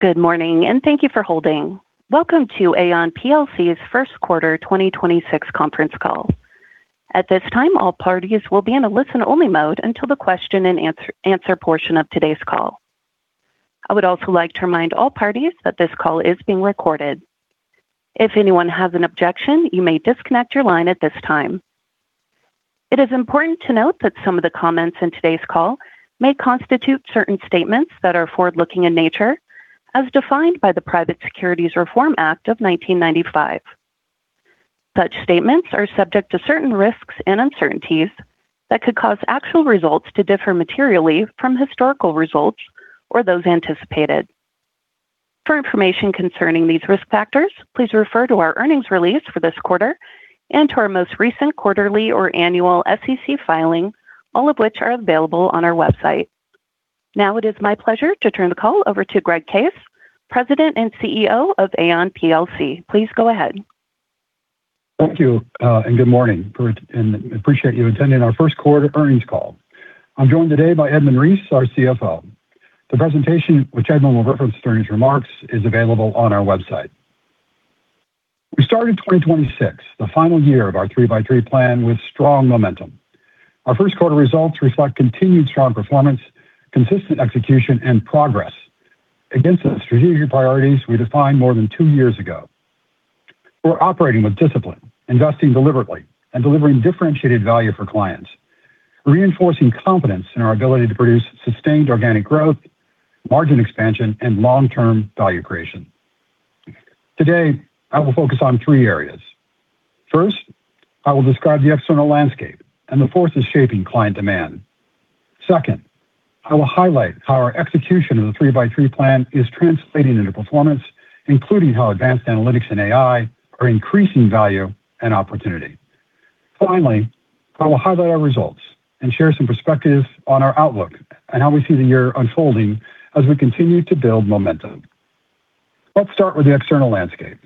Good morning, and thank you for holding. Welcome to Aon PLC's first quarter 2026 conference call. At this time, all parties will be in a listen-only mode until the question and answer portion of today's call. I would also like to remind all parties that this call is being recorded. If anyone has an objection, you may disconnect your line at this time. It is important to note that some of the comments in today's call may constitute certain statements that are forward-looking in nature as defined by the Private Securities Litigation Reform Act of 1995. Such statements are subject to certain risks and uncertainties that could cause actual results to differ materially from historical results or those anticipated. For information concerning these risk factors, please refer to our earnings release for this quarter and to our most recent quarterly or annual SEC filing, all of which are available on our website. Now it is my pleasure to turn the call over to Greg Case, President and CEO of Aon PLC. Please go ahead. Thank you, good morning. Appreciate you attending our first quarter earnings call. I'm joined today by Edmund Reese, our CFO. The presentation, which Edmund will reference during his remarks, is available on our website. We started 2026, the final year of our 3x3 Plan, with strong momentum. Our first quarter results reflect continued strong performance, consistent execution, and progress against the strategic priorities we defined more than two years ago. We're operating with discipline, investing deliberately, and delivering differentiated value for clients, reinforcing confidence in our ability to produce sustained organic growth, margin expansion, and long-term value creation. Today, I will focus on three areas. First, I will describe the external landscape and the forces shaping client demand. Second, I will highlight how our execution of the 3x3 Plan is translating into performance, including how advanced analytics and AI are increasing value and opportunity. Finally, I will highlight our results and share some perspectives on our outlook and how we see the year unfolding as we continue to build momentum. Let's start with the external landscape.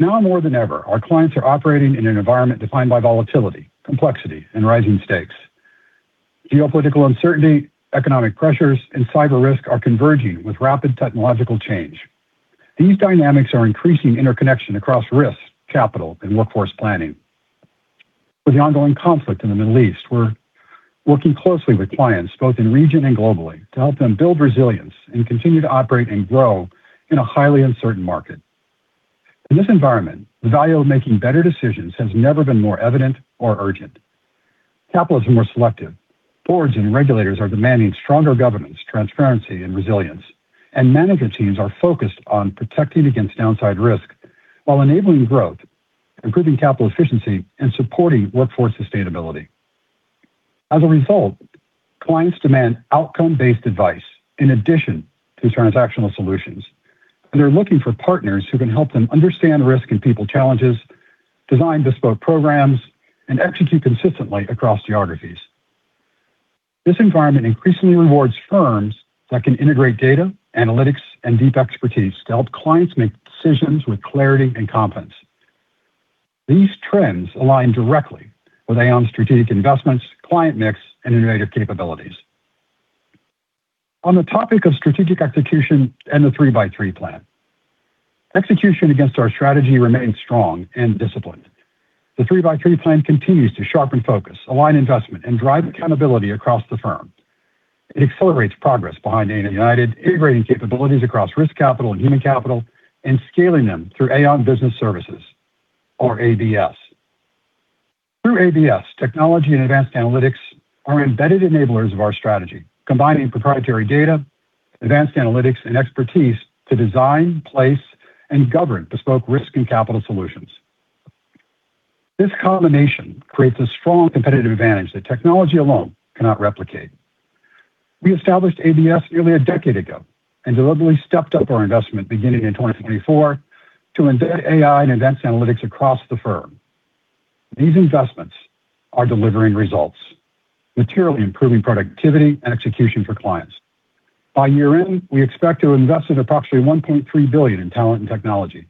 Now more than ever, our clients are operating in an environment defined by volatility, complexity, and rising stakes. Geopolitical uncertainty, economic pressures, and cyber risk are converging with rapid technological change. These dynamics are increasing interconnection across risk, capital, and workforce planning. With the ongoing conflict in the Middle East, we're working closely with clients both in region and globally to help them build resilience and continue to operate and grow in a highly uncertain market. In this environment, the value of making better decisions has never been more evident or urgent. Capital is more selective. Boards and regulators are demanding stronger governance, transparency, and resilience, and management teams are focused on protecting against downside risk while enabling growth, improving capital efficiency, and supporting workforce sustainability. As a result, clients demand outcome-based advice in addition to transactional solutions, and they're looking for partners who can help them understand risk and people challenges, design bespoke programs, and execute consistently across geographies. This environment increasingly rewards firms that can integrate data, analytics, and deep expertise to help clients make decisions with clarity and confidence. These trends align directly with Aon's strategic investments, client mix, and innovative capabilities. On the topic of strategic execution and the 3x3 Plan. Execution against our strategy remains strong and disciplined. The 3x3 Plan continues to sharpen focus, align investment, and drive accountability across the firm. It accelerates progress behind Aon United, integrating capabilities across risk capital and human capital, and scaling them through Aon Business Services or ABS. Through ABS, technology and advanced analytics are embedded enablers of our strategy, combining proprietary data, advanced analytics, and expertise to design, place, and govern bespoke risk and capital solutions. This combination creates a strong competitive advantage that technology alone cannot replicate. We established ABS nearly a decade ago and deliberately stepped up our investment beginning in 2024 to embed AI and advanced analytics across the firm. These investments are delivering results, materially improving productivity and execution for clients. By year-end, we expect to have invested approximately $1.3 billion in talent and technology,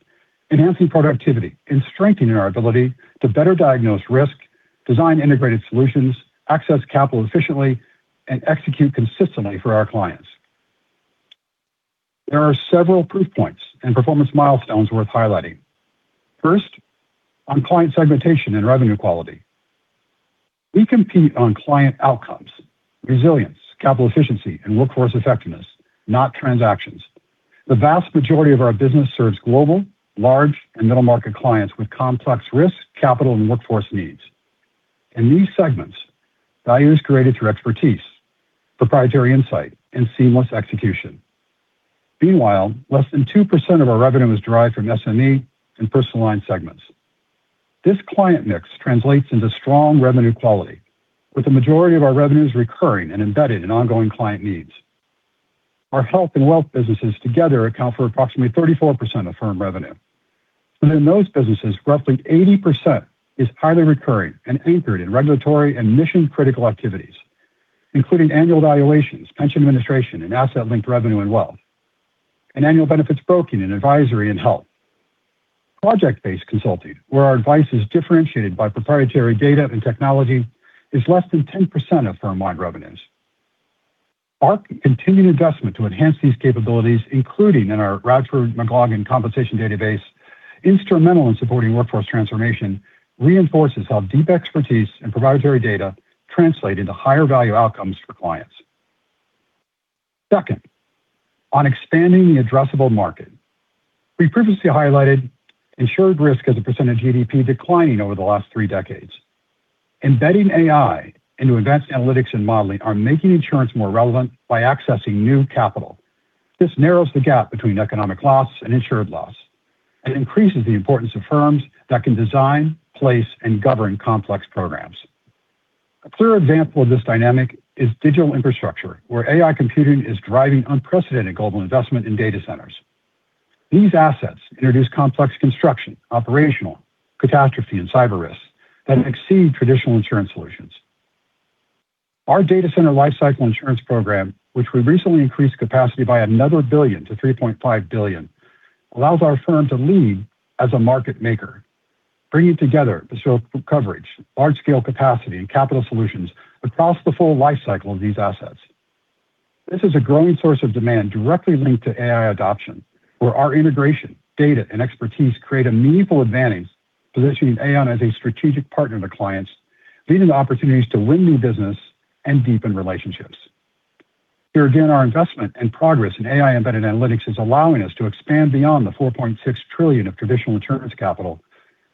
enhancing productivity and strengthening our ability to better diagnose risk, design integrated solutions, access capital efficiently, and execute consistently for our clients. There are several proof points and performance milestones worth highlighting. On client segmentation and revenue quality. We compete on client outcomes, resilience, capital efficiency, and workforce effectiveness, not transactions. The vast majority of our business serves global, large, and middle-market clients with complex risk, capital, and workforce needs. In these segments, value is created through expertise, proprietary insight, and seamless execution. Meanwhile, less than 2% of our revenue is derived from SME and personal line segments. This client mix translates into strong revenue quality, with the majority of our revenues recurring and embedded in ongoing client needs. Our Health and Wealth businesses together account for approximately 34% of firm revenue. Within those businesses, roughly 80% is highly recurring and anchored in regulatory and mission-critical activities, including annual valuations, pension administration, and asset-linked revenue and wealth, and annual benefits broking and advisory in health. Project-based consulting, where our advice is differentiated by proprietary data and technology, is less than 10% of firm-wide revenues. Our continued investment to enhance these capabilities, including in our Radford McLagan Compensation Database, instrumental in supporting workforce transformation, reinforces how deep expertise and proprietary data translate into higher value outcomes for clients. Second, on expanding the addressable market. We previously highlighted insured risk as a percentage of GDP declining over the last three decades. Embedding AI into advanced analytics and modeling are making insurance more relevant by accessing new capital. This narrows the gap between economic loss and insured loss and increases the importance of firms that can design, place, and govern complex programs. A clear example of this dynamic is digital infrastructure, where AI computing is driving unprecedented global investment in data centers. These assets introduce complex construction, operational, catastrophe, and cyber risks that exceed traditional insurance solutions. Our data center lifecycle insurance program, which we recently increased capacity by another $1 billion-$3.5 billion, allows our firm to lead as a market maker, bringing together the scope of coverage, large-scale capacity, and capital solutions across the full lifecycle of these assets. This is a growing source of demand directly linked to AI adoption, where our integration, data, and expertise create a meaningful advantage positioning Aon as a strategic partner to clients, leading to opportunities to win new business and deepen relationships. Here again, our investment and progress in AI-embedded analytics is allowing us to expand beyond the $4.6 trillion of traditional insurance capital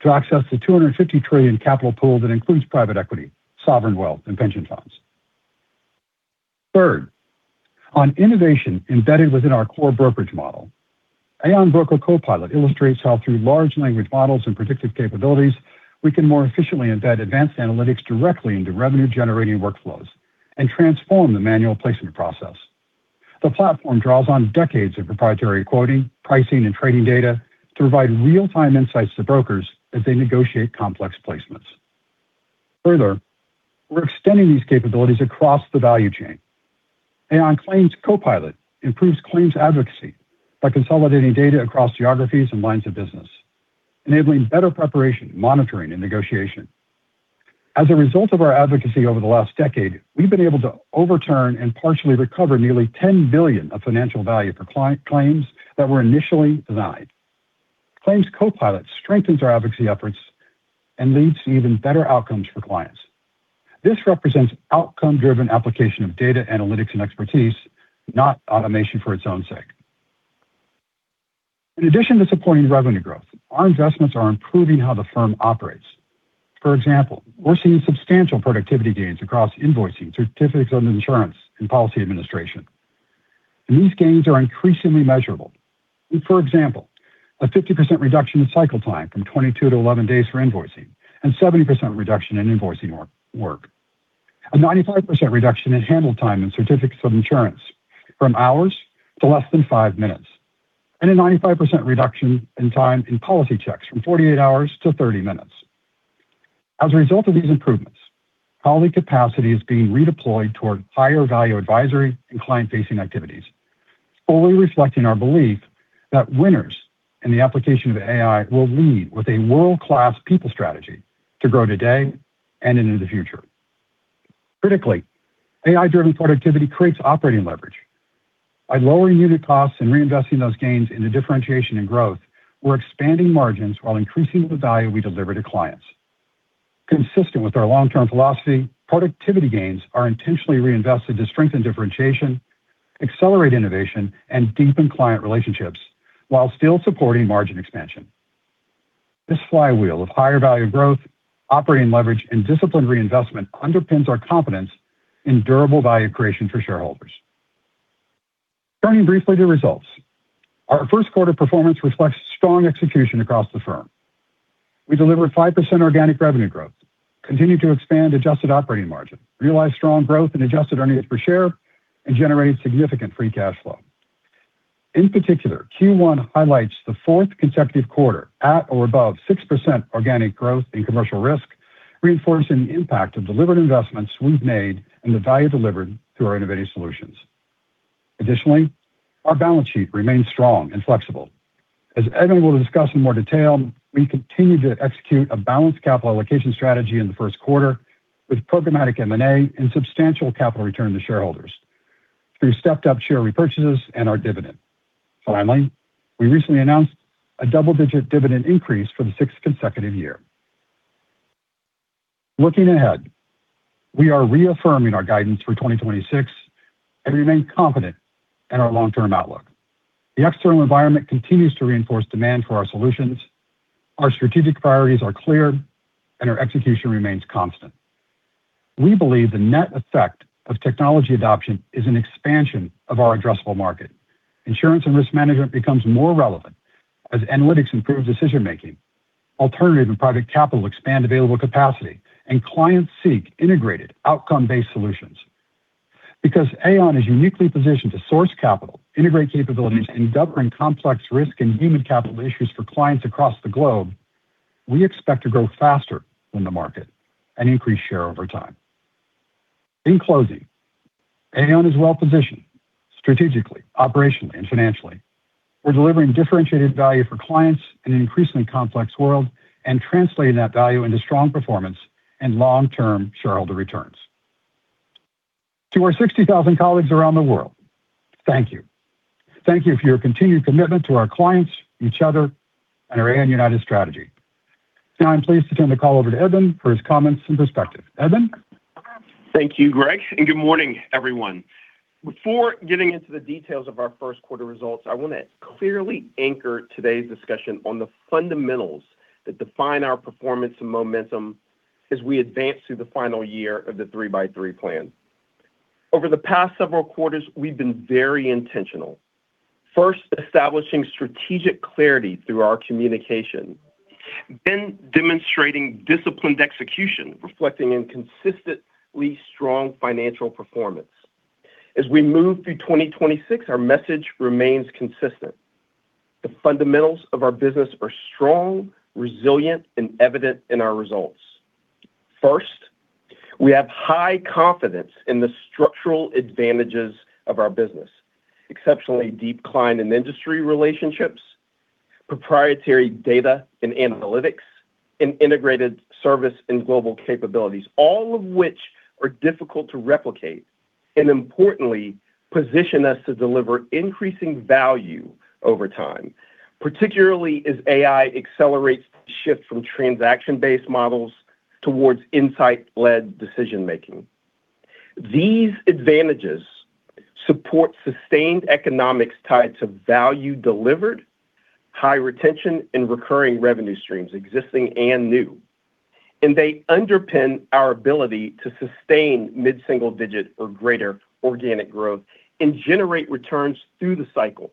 to access the $250 trillion capital pool that includes private equity, sovereign wealth, and pension funds. Third, on innovation embedded within our core brokerage model. Aon Broker Copilot illustrates how through large language models and predictive capabilities, we can more efficiently embed advanced analytics directly into revenue-generating workflows and transform the manual placement process. The platform draws on decades of proprietary quoting, pricing, and trading data to provide real-time insights to brokers as they negotiate complex placements. Further, we're extending these capabilities across the value chain. Aon Claims Copilot improves claims advocacy by consolidating data across geographies and lines of business, enabling better preparation, monitoring, and negotiation. As a result of our advocacy over the last decade, we've been able to overturn and partially recover nearly $10 billion of financial value for client claims that were initially denied. Claims Copilot strengthens our advocacy efforts and leads to even better outcomes for clients. This represents outcome-driven application of data analytics and expertise, not automation for its own sake. In addition to supporting revenue growth, our investments are improving how the firm operates. For example, we're seeing substantial productivity gains across invoicing, certificates of insurance, and policy administration. These gains are increasingly measurable. For example, a 50% reduction in cycle time from 22 to 11 days for invoicing and 70% reduction in invoicing work, a 95% reduction in handle time in certificates of insurance from hours to less than five minutes, and a 95% reduction in time in policy checks from 48 hours to 30 minutes. As a result of these improvements, colleague capacity is being redeployed toward higher value advisory and client-facing activities, fully reflecting our belief that winners in the application of AI will lead with a world-class people strategy to grow today and into the future. Critically, AI-driven productivity creates operating leverage. By lowering unit costs and reinvesting those gains into differentiation and growth, we're expanding margins while increasing the value we deliver to clients. Consistent with our long-term philosophy, productivity gains are intentionally reinvested to strengthen differentiation, accelerate innovation, and deepen client relationships while still supporting margin expansion. This flywheel of higher value growth, operating leverage, and disciplined reinvestment underpins our confidence in durable value creation for shareholders. Turning briefly to results. Our first quarter performance reflects strong execution across the firm. We delivered 5% organic revenue growth, continued to expand adjusted operating margin, realized strong growth in adjusted earnings per share, and generated significant free cash flow. In particular, Q1 highlights the fourth consecutive quarter at or above 6% organic growth in Commercial Risk, reinforcing the impact of deliberate investments we've made and the value delivered through our innovative solutions. Additionally, our balance sheet remains strong and flexible. As Edmund will discuss in more detail, we continued to execute a balanced capital allocation strategy in the first quarter with programmatic M&A and substantial capital return to shareholders through stepped-up share repurchases and our dividend. Finally, we recently announced a double-digit dividend increase for the sixth consecutive year. Looking ahead, we are reaffirming our guidance for 2026 and remain confident in our long-term outlook. The external environment continues to reinforce demand for our solutions, our strategic priorities are clear, and our execution remains constant. We believe the net effect of technology adoption is an expansion of our addressable market. Insurance and risk management becomes more relevant as analytics improves decision-making, alternative and private capital expand available capacity, and clients seek integrated outcome-based solutions. Because Aon is uniquely positioned to source capital, integrate capabilities, and govern complex risk and human capital issues for clients across the globe, we expect to grow faster than the market and increase share over time. In closing, Aon is well positioned strategically, operationally, and financially. We're delivering differentiated value for clients in an increasingly complex world and translating that value into strong performance and long-term shareholder returns. To our 60,000 colleagues around the world, thank you. Thank you for your continued commitment to our clients, each other, and our Aon United strategy. I'm pleased to turn the call over to Edmund for his comments and perspective. Edmund? Thank you, Greg. Good morning, everyone. Before getting into the details of our 1st quarter results, I want to clearly anchor today's discussion on the fundamentals that define our performance and momentum as we advance through the final year of the 3x3 Plan. Over the past several quarters, we've been very intentional. First, establishing strategic clarity through our communication. Demonstrating disciplined execution, reflecting in consistently strong financial performance. As we move through 2026, our message remains consistent. The fundamentals of our business are strong, resilient, and evident in our results. First, we have high confidence in the structural advantages of our business. Exceptionally deep client and industry relationships, proprietary data and analytics, and integrated service and global capabilities, all of which are difficult to replicate, and importantly, position us to deliver increasing value over time, particularly as AI accelerates the shift from transaction-based models towards insight-led decision-making. These advantages support sustained economics tied to value delivered, high retention, and recurring revenue streams, existing and new. They underpin our ability to sustain mid-single-digit or greater organic growth and generate returns through the cycle.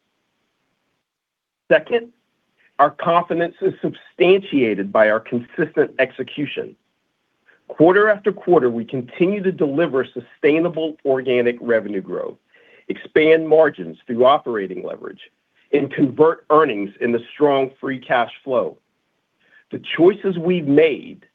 Second, our confidence is substantiated by our consistent execution. Quarter after quarter, we continue to deliver sustainable organic revenue growth, expand margins through operating leverage, and convert earnings in the strong free cash flow. The choices we've made,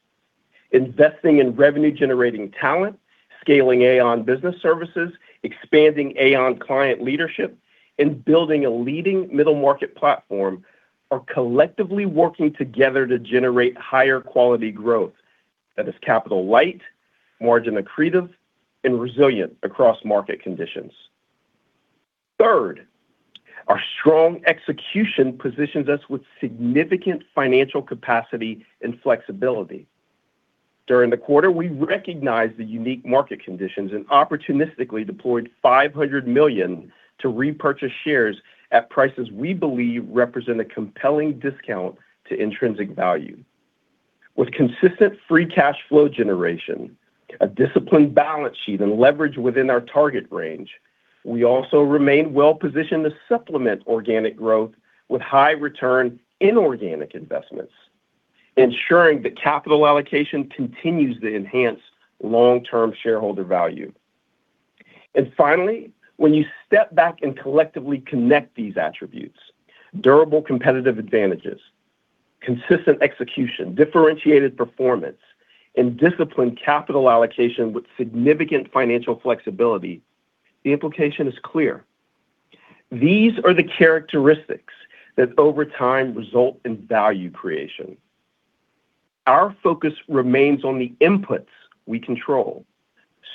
investing in revenue-generating talent, scaling Aon Business Services, expanding Aon Client Leadership, and building a leading middle market platform, are collectively working together to generate higher quality growth that is capital-light, margin-accretive, and resilient across market conditions. Third, our strong execution positions us with significant financial capacity and flexibility. During the quarter, we recognized the unique market conditions and opportunistically deployed $500 million to repurchase shares at prices we believe represent a compelling discount to intrinsic value. With consistent free cash flow generation, a disciplined balance sheet, and leverage within our target range, we also remain well-positioned to supplement organic growth with high return inorganic investments, ensuring that capital allocation continues to enhance long-term shareholder value. Finally, when you step back and collectively connect these attributes, durable competitive advantages, consistent execution, differentiated performance, and disciplined capital allocation with significant financial flexibility, the implication is clear. These are the characteristics that over time result in value creation. Our focus remains on the inputs we control,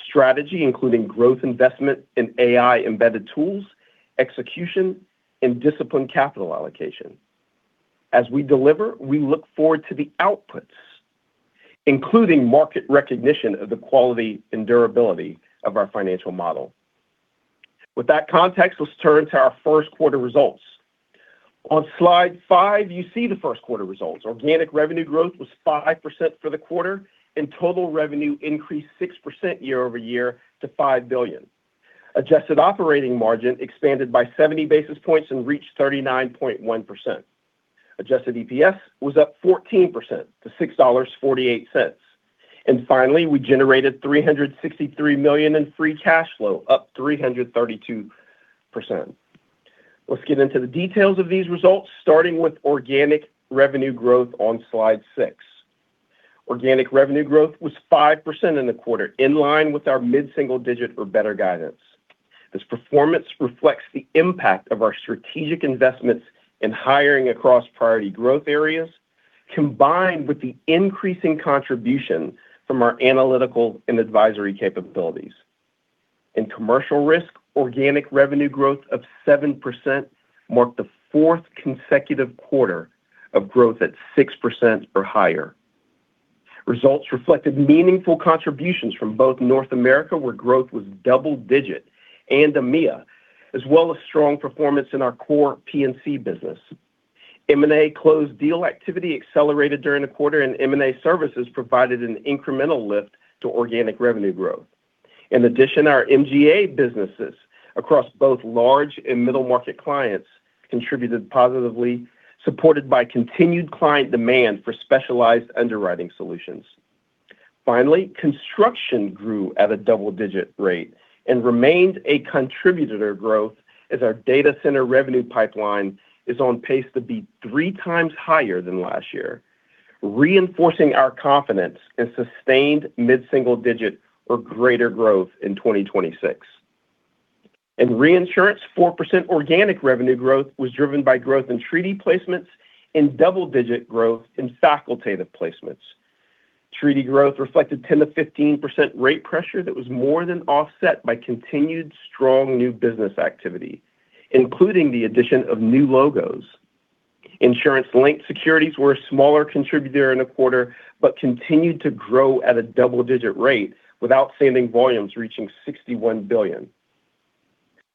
strategy, including growth investment in AI-embedded tools, execution, and disciplined capital allocation. As we deliver, we look forward to the outputs, including market recognition of the quality and durability of our financial model. With that context, let's turn to our first quarter results. On slide 5, you see the first quarter results. Organic revenue growth was 5% for the quarter, and total revenue increased 6% year-over-year to $5 billion. Adjusted operating margin expanded by 70 basis points and reached 39.1%. Adjusted EPS was up 14% to $6.48. Finally, we generated $363 million in free cash flow, up 332%. Let's get into the details of these results, starting with organic revenue growth on slide 6. Organic revenue growth was 5% in the quarter, in line with our mid-single digit or better guidance. This performance reflects the impact of our strategic investments in hiring across priority growth areas, combined with the increasing contribution from our analytical and advisory capabilities. In Commercial Risk, organic revenue growth of 7% marked the fourth consecutive quarter of growth at 6% or higher. Results reflected meaningful contributions from both North America, where growth was double-digit, and EMEA, as well as strong performance in our core P&C business. M&A closed deal activity accelerated during the quarter, and M&A services provided an incremental lift to organic revenue growth. In addition, our MGA businesses across both large and middle market clients contributed positively, supported by continued client demand for specialized underwriting solutions. Finally, construction grew at a double-digit rate and remained a contributor to growth as our data center revenue pipeline is on pace to be three times higher than last year, reinforcing our confidence in sustained mid-single-digit or greater growth in 2026. In Reinsurance, 4% organic revenue growth was driven by growth in treaty placements and double-digit growth in facultative placements. Treaty growth reflected 10%-15% rate pressure that was more than offset by continued strong new business activity, including the addition of new logos. Insurance-Linked Securities were a smaller contributor in the quarter, but continued to grow at a double-digit rate outsanding volumes reaching 61 billion.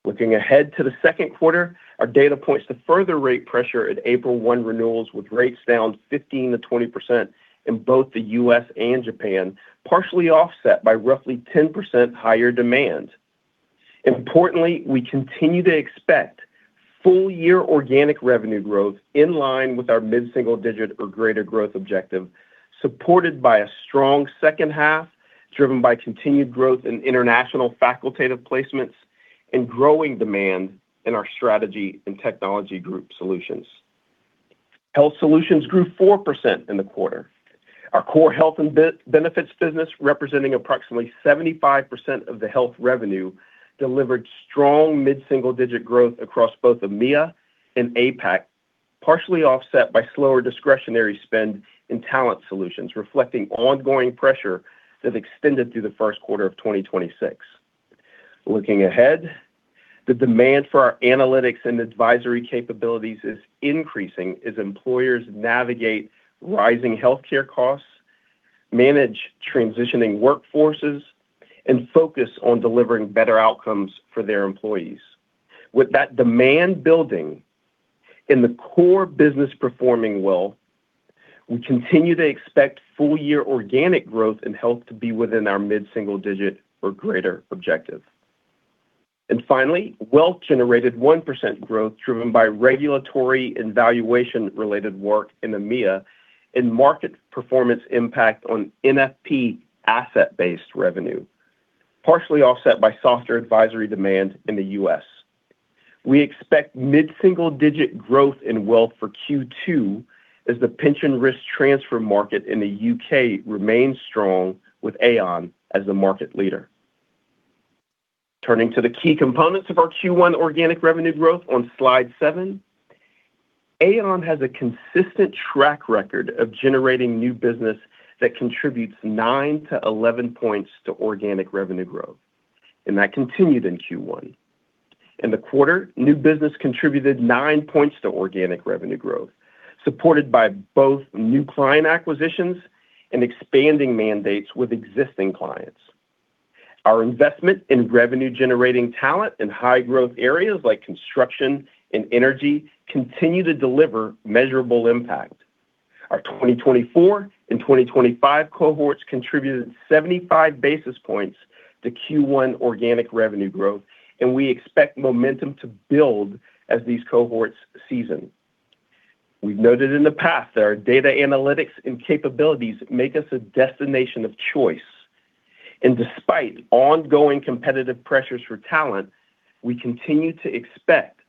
Looking ahead to the second quarter, our data points to further rate pressure at April 1 renewals with rates down 15%-20% in both the U.S. and Japan, partially offset by roughly 10% higher demand. Importantly, we continue to expect full-year organic revenue growth in line with our mid-single digit or greater growth objective, supported by a strong second half, driven by continued growth in international facultative placements and growing demand in our Strategy and Technology Group solutions. Health Solutions grew 4% in the quarter. Our core health and benefits business, representing approximately 75% of the health revenue, delivered strong mid-single-digit growth across both EMEA and APAC, partially offset by slower discretionary spend in Talent Solutions, reflecting ongoing pressure that extended through the first quarter of 2026. Looking ahead, the demand for our analytics and advisory capabilities is increasing as employers navigate rising healthcare costs, manage transitioning workforces, and focus on delivering better outcomes for their employees. With that demand building and the core business performing well, we continue to expect full-year organic growth in health to be within our mid-single-digit or greater objective. Finally, Wealth generated 1% growth driven by regulatory and valuation-related work in EMEA and market performance impact on NFP asset-based revenue, partially offset by softer advisory demand in the U.S. We expect mid-single-digit growth in Wealth for Q2 as the pension risk transfer market in the U.K. remains strong with Aon as the market leader. Turning to the key components of our Q1 organic revenue growth on slide 7. Aon has a consistent track record of generating new business that contributes nine to 11 points to organic revenue growth. That continued in Q1. In the quarter, new business contributed 9 points to organic revenue growth, supported by both new client acquisitions and expanding mandates with existing clients. Our investment in revenue-generating talent in high-growth areas like construction and energy continue to deliver measurable impact. Our 2024 and 2025 cohorts contributed 75 basis points to Q1 organic revenue growth. We expect momentum to build as these cohorts season. We've noted in the past that our data analytics and capabilities make us a destination of choice. Despite ongoing competitive pressures for talent, we continue to expect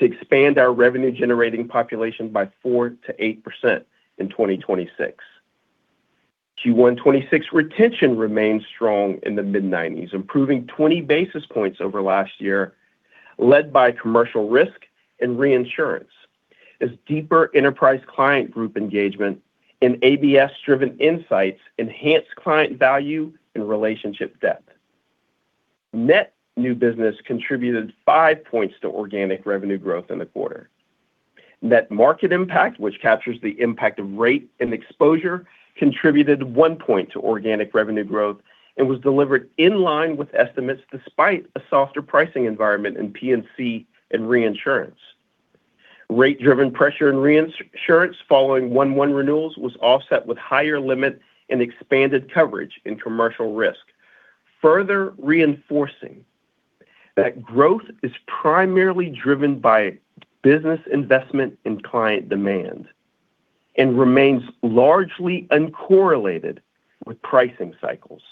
to expand our revenue-generating population by 4%-8% in 2026. Q1 2026 retention remains strong in the mid-90s, improving 20 basis points over last year, led by Commercial Risk and Reinsurance as deeper Enterprise Client Group engagement and ABS-driven insights enhance client value and relationship depth. Net new business contributed five points to organic revenue growth in the quarter. Net market impact, which captures the impact of rate and exposure, contributed one point to organic revenue growth and was delivered in line with estimates despite a softer pricing environment in P&C and Reinsurance. Rate-driven pressure in Reinsurance following 1/1 renewals was offset with higher limit and expanded coverage in Commercial Risk, further reinforcing that growth is primarily driven by business investment and client demand and remains largely uncorrelated with pricing cycles.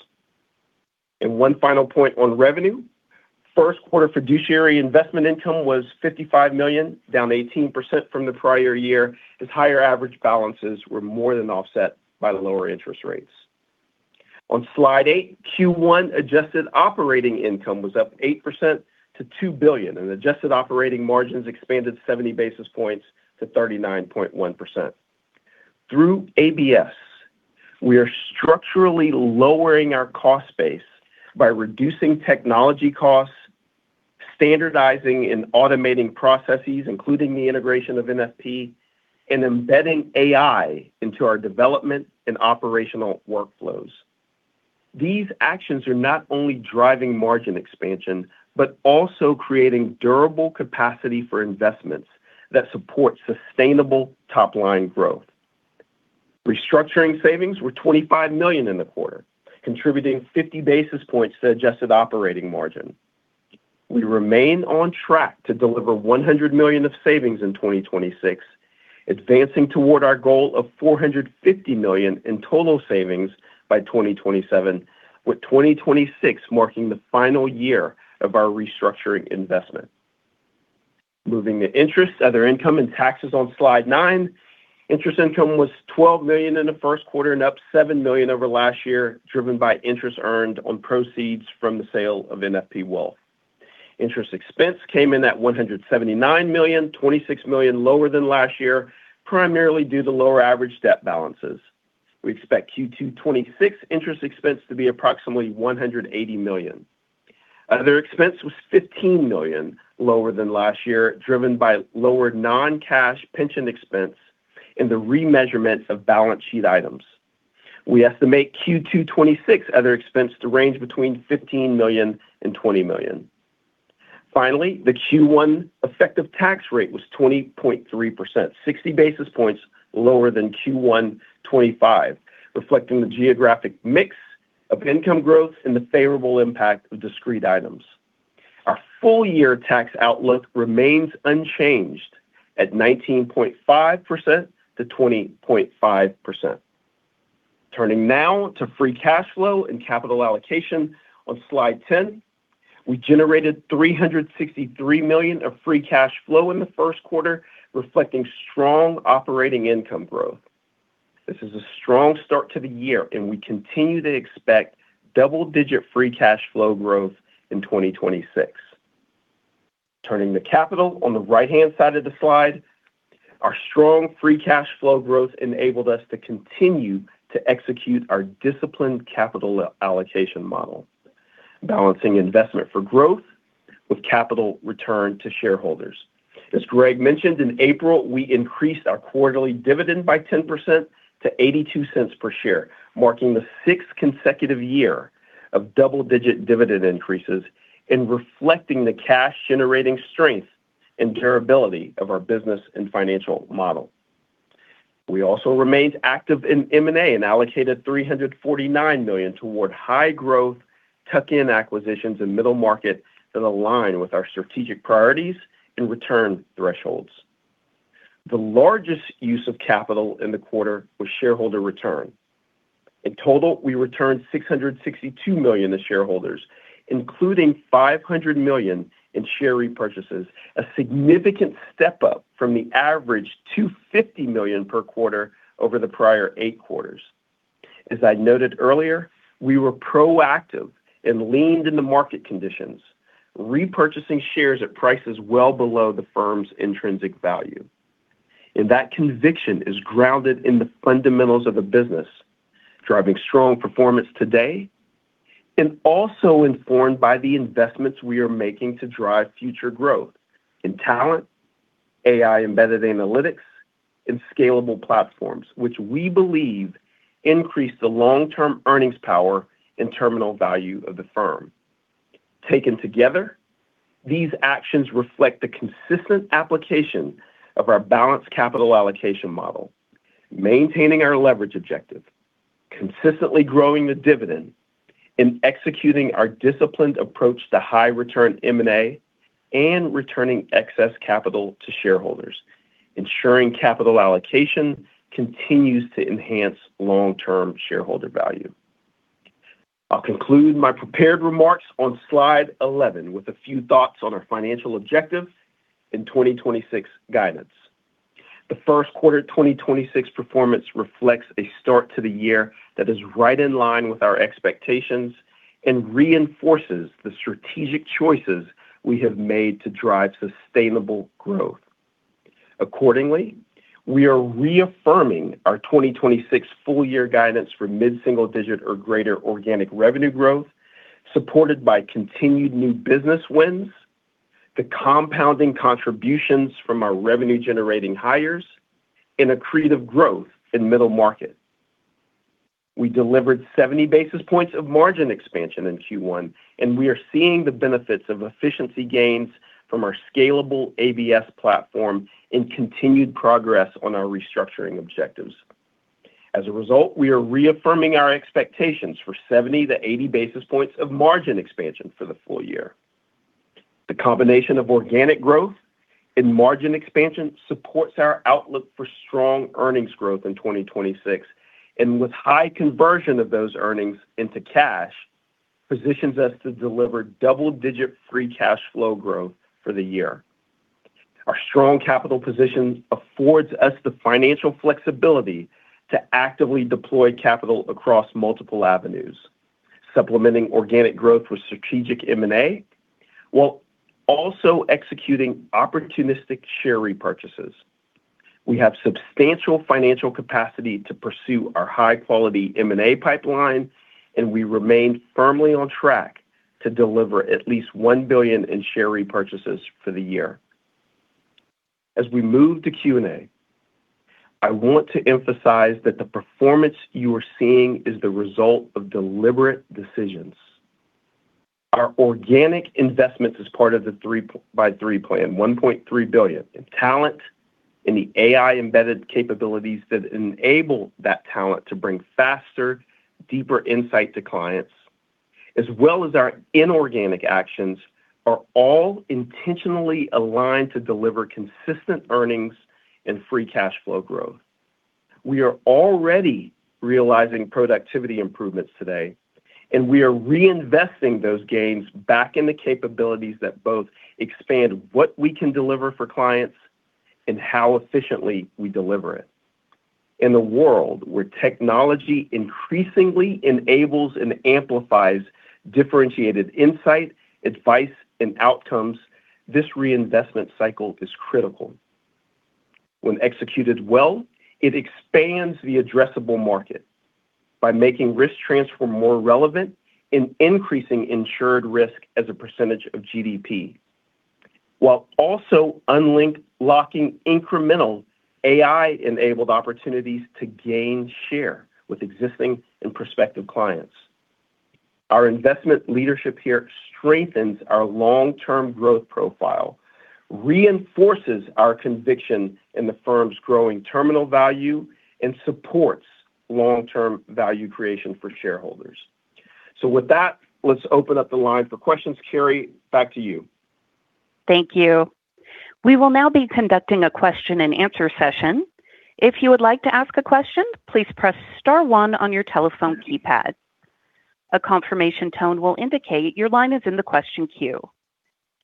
One final point on revenue. First quarter fiduciary investment income was $55 million, down 18% from the prior year, as higher average balances were more than offset by the lower interest rates. On slide 8, Q1 adjusted operating income was up 8% to $2 billion, and adjusted operating margins expanded 70 basis points to 39.1%. Through ABS, we are structurally lowering our cost base by reducing technology costs, standardizing and automating processes, including the integration of NFP, and embedding AI into our development and operational workflows. These actions are not only driving margin expansion but also creating durable capacity for investments that support sustainable top-line growth. Restructuring savings were $25 million in the quarter, contributing 50 basis points to adjusted operating margin. We remain on track to deliver $100 million of savings in 2026, advancing toward our goal of $450 million in total savings by 2027, with 2026 marking the final year of our restructuring investment. Moving to interest, other income and taxes on slide 9. Interest income was $12 million in the first quarter and up $7 million over last year, driven by interest earned on proceeds from the sale of NFP Wealth. Interest expense came in at $179 million, $26 million lower than last year, primarily due to lower average debt balances. We expect Q2 2026 interest expense to be approximately $180 million. Other expense was $15 million lower than last year, driven by lower non-cash pension expense in the remeasurement of balance sheet items. We estimate Q2 2026 other expense to range between $15 million and $20 million. Finally, the Q1 effective tax rate was 20.3%, 60 basis points lower than Q1 2025, reflecting the geographic mix of income growth and the favorable impact of discrete items. Our full year tax outlook remains unchanged at 19.5%-20.5%. Turning now to free cash flow and capital allocation on slide 10. We generated $363 million of free cash flow in the first quarter, reflecting strong operating income growth. This is a strong start to the year. We continue to expect double-digit free cash flow growth in 2026. Turning to capital on the right-hand side of the slide, our strong free cash flow growth enabled us to continue to execute our disciplined capital allocation model, balancing investment for growth with capital return to shareholders. As Greg mentioned, in April, we increased our quarterly dividend by 10% to $0.82 per share, marking the sixth consecutive year of double-digit dividend increases and reflecting the cash generating strength and durability of our business and financial model. We also remained active in M&A and allocated $349 million toward high growth tuck-in acquisitions and middle market that align with our strategic priorities and return thresholds. The largest use of capital in the quarter was shareholder return. In total, we returned $662 million to shareholders, including $500 million in share repurchases, a significant step up from the average $250 million per quarter over the prior 8 quarters. As I noted earlier, we were proactive and leaned in the market conditions, repurchasing shares at prices well below the firm's intrinsic value. That conviction is grounded in the fundamentals of the business, driving strong performance today, and also informed by the investments we are making to drive future growth in talent, AI embedded analytics, and scalable platforms, which we believe increase the long-term earnings power and terminal value of the firm. Taken together, these actions reflect the consistent application of our balanced capital allocation model, maintaining our leverage objective, consistently growing the dividend, and executing our disciplined approach to high return M&A and returning excess capital to shareholders, ensuring capital allocation continues to enhance long-term shareholder value. I'll conclude my prepared remarks on slide 11 with a few thoughts on our financial objectives and 2026 guidance. The 1st quarter 2026 performance reflects a start to the year that is right in line with our expectations and reinforces the strategic choices we have made to drive sustainable growth. We are reaffirming our 2026 full year guidance for mid-single digit or greater organic revenue growth, supported by continued new business wins, the compounding contributions from our revenue generating hires, and accretive growth in middle market. We delivered 70 basis points of margin expansion in Q1, we are seeing the benefits of efficiency gains from our scalable ABS platform and continued progress on our restructuring objectives. As a result, we are reaffirming our expectations for 70 to 80 basis points of margin expansion for the full year. The combination of organic growth and margin expansion supports our outlook for strong earnings growth in 2026, with high conversion of those earnings into cash positions us to deliver double-digit free cash flow growth for the year. Our strong capital position affords us the financial flexibility to actively deploy capital across multiple avenues, supplementing organic growth with strategic M&A, while also executing opportunistic share repurchases. We have substantial financial capacity to pursue our high-quality M&A pipeline, we remain firmly on track to deliver at least $1 billion in share repurchases for the year. As we move to Q&A, I want to emphasize that the performance you are seeing is the result of deliberate decisions. Our organic investments as part of the 3x3 Plan, $1.3 billion in talent, in the AI embedded capabilities that enable that talent to bring faster, deeper insight to clients, as well as our inorganic actions, are all intentionally aligned to deliver consistent earnings and free cash flow growth. We are already realizing productivity improvements today, and we are reinvesting those gains back in the capabilities that both expand what we can deliver for clients and how efficiently we deliver it. In the world where technology increasingly enables and amplifies differentiated insight, advice, and outcomes, this reinvestment cycle is critical. When executed well, it expands the addressable market by making risk transfer more relevant and increasing insured risk as a percentage of GDP, while also unlocking incremental AI-enabled opportunities to gain share with existing and prospective clients. Our investment leadership here strengthens our long-term growth profile, reinforces our conviction in the firm's growing terminal value, and supports long-term value creation for shareholders. With that, let's open up the line for questions. Carrie, back to you. Thank you. We will now be conducting a question and answer session. If you would like to ask a question, please press star one on your telephone keypad. A confirmation tone will indicate your line is in the question queue.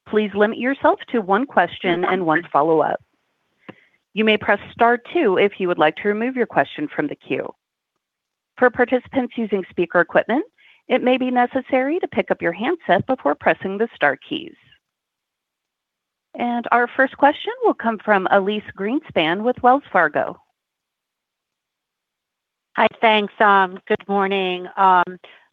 Please limit yourself to one question and one follow-up. You may press star two if you would like to remove your question from the queue. For participants using speaker equipment, it may be necessary to pick up your handset before pressing the star keys. Our first question will come from Elyse Greenspan with Wells Fargo. Hi. Thanks. Good morning.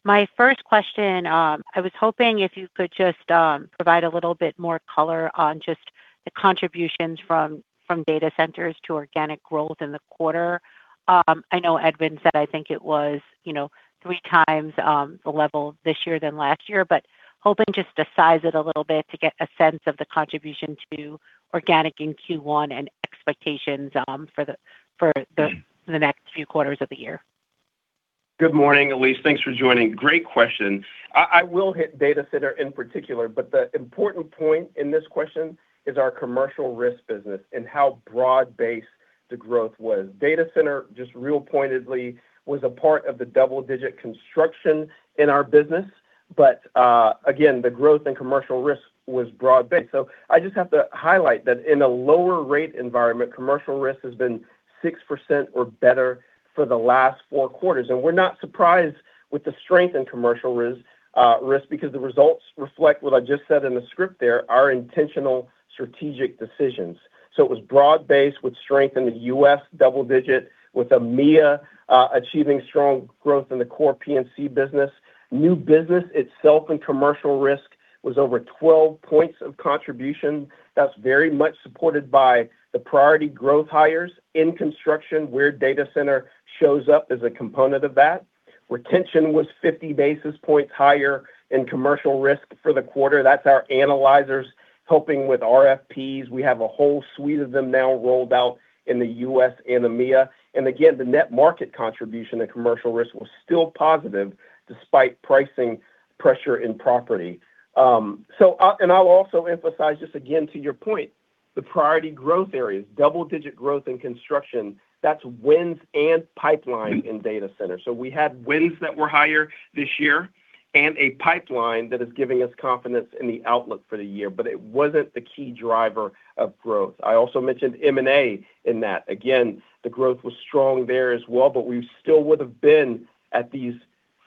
My first question, I was hoping if you could just provide a little bit more color on just the contributions from data centers to organic growth in the quarter. I know Edmund said, I think it was, you know, three times the level this year than last year, but hoping just to size it a little to get a sense of the contribution to organic in Q1 and expectations for the next few quarters of the year. Good morning, Elyse. Thanks for joining. Great question. I will hit data center in particular. The important point in this question is our Commercial Risk business and how broad-based the growth was. Data center, just real pointedly, was a part of the double-digit construction in our business. Again, the growth in Commercial Risk was broad-based. I just have to highlight that in a lower rate environment, Commercial Risk has been 6% or better for the last four quarters, and we're not surprised with the strength in Commercial Risk because the results reflect what I just said in the script there, our intentional strategic decisions. It was broad-based with strength in the U.S. double-digit with EMEA achieving strong growth in the core P&C business. New business itself in Commercial Risk was over 12 points of contribution. That's very much supported by the priority growth hires in construction, where data center shows up as a component of that. Retention was 50 basis points higher in Commercial Risk for the quarter. That's our analyzers helping with RFPs. We have a whole suite of them now rolled out in the U.S. and EMEA. Again, the net market contribution in Commercial Risk was still positive despite pricing pressure in property. I'll also emphasize this again to your point, the priority growth areas, double-digit growth in construction, that's wins and pipeline in data center. We had wins that were higher this year and a pipeline that is giving us confidence in the outlook for the year, but it wasn't the key driver of growth. I also mentioned M&A in that. The growth was strong there as well, but we still would have been at these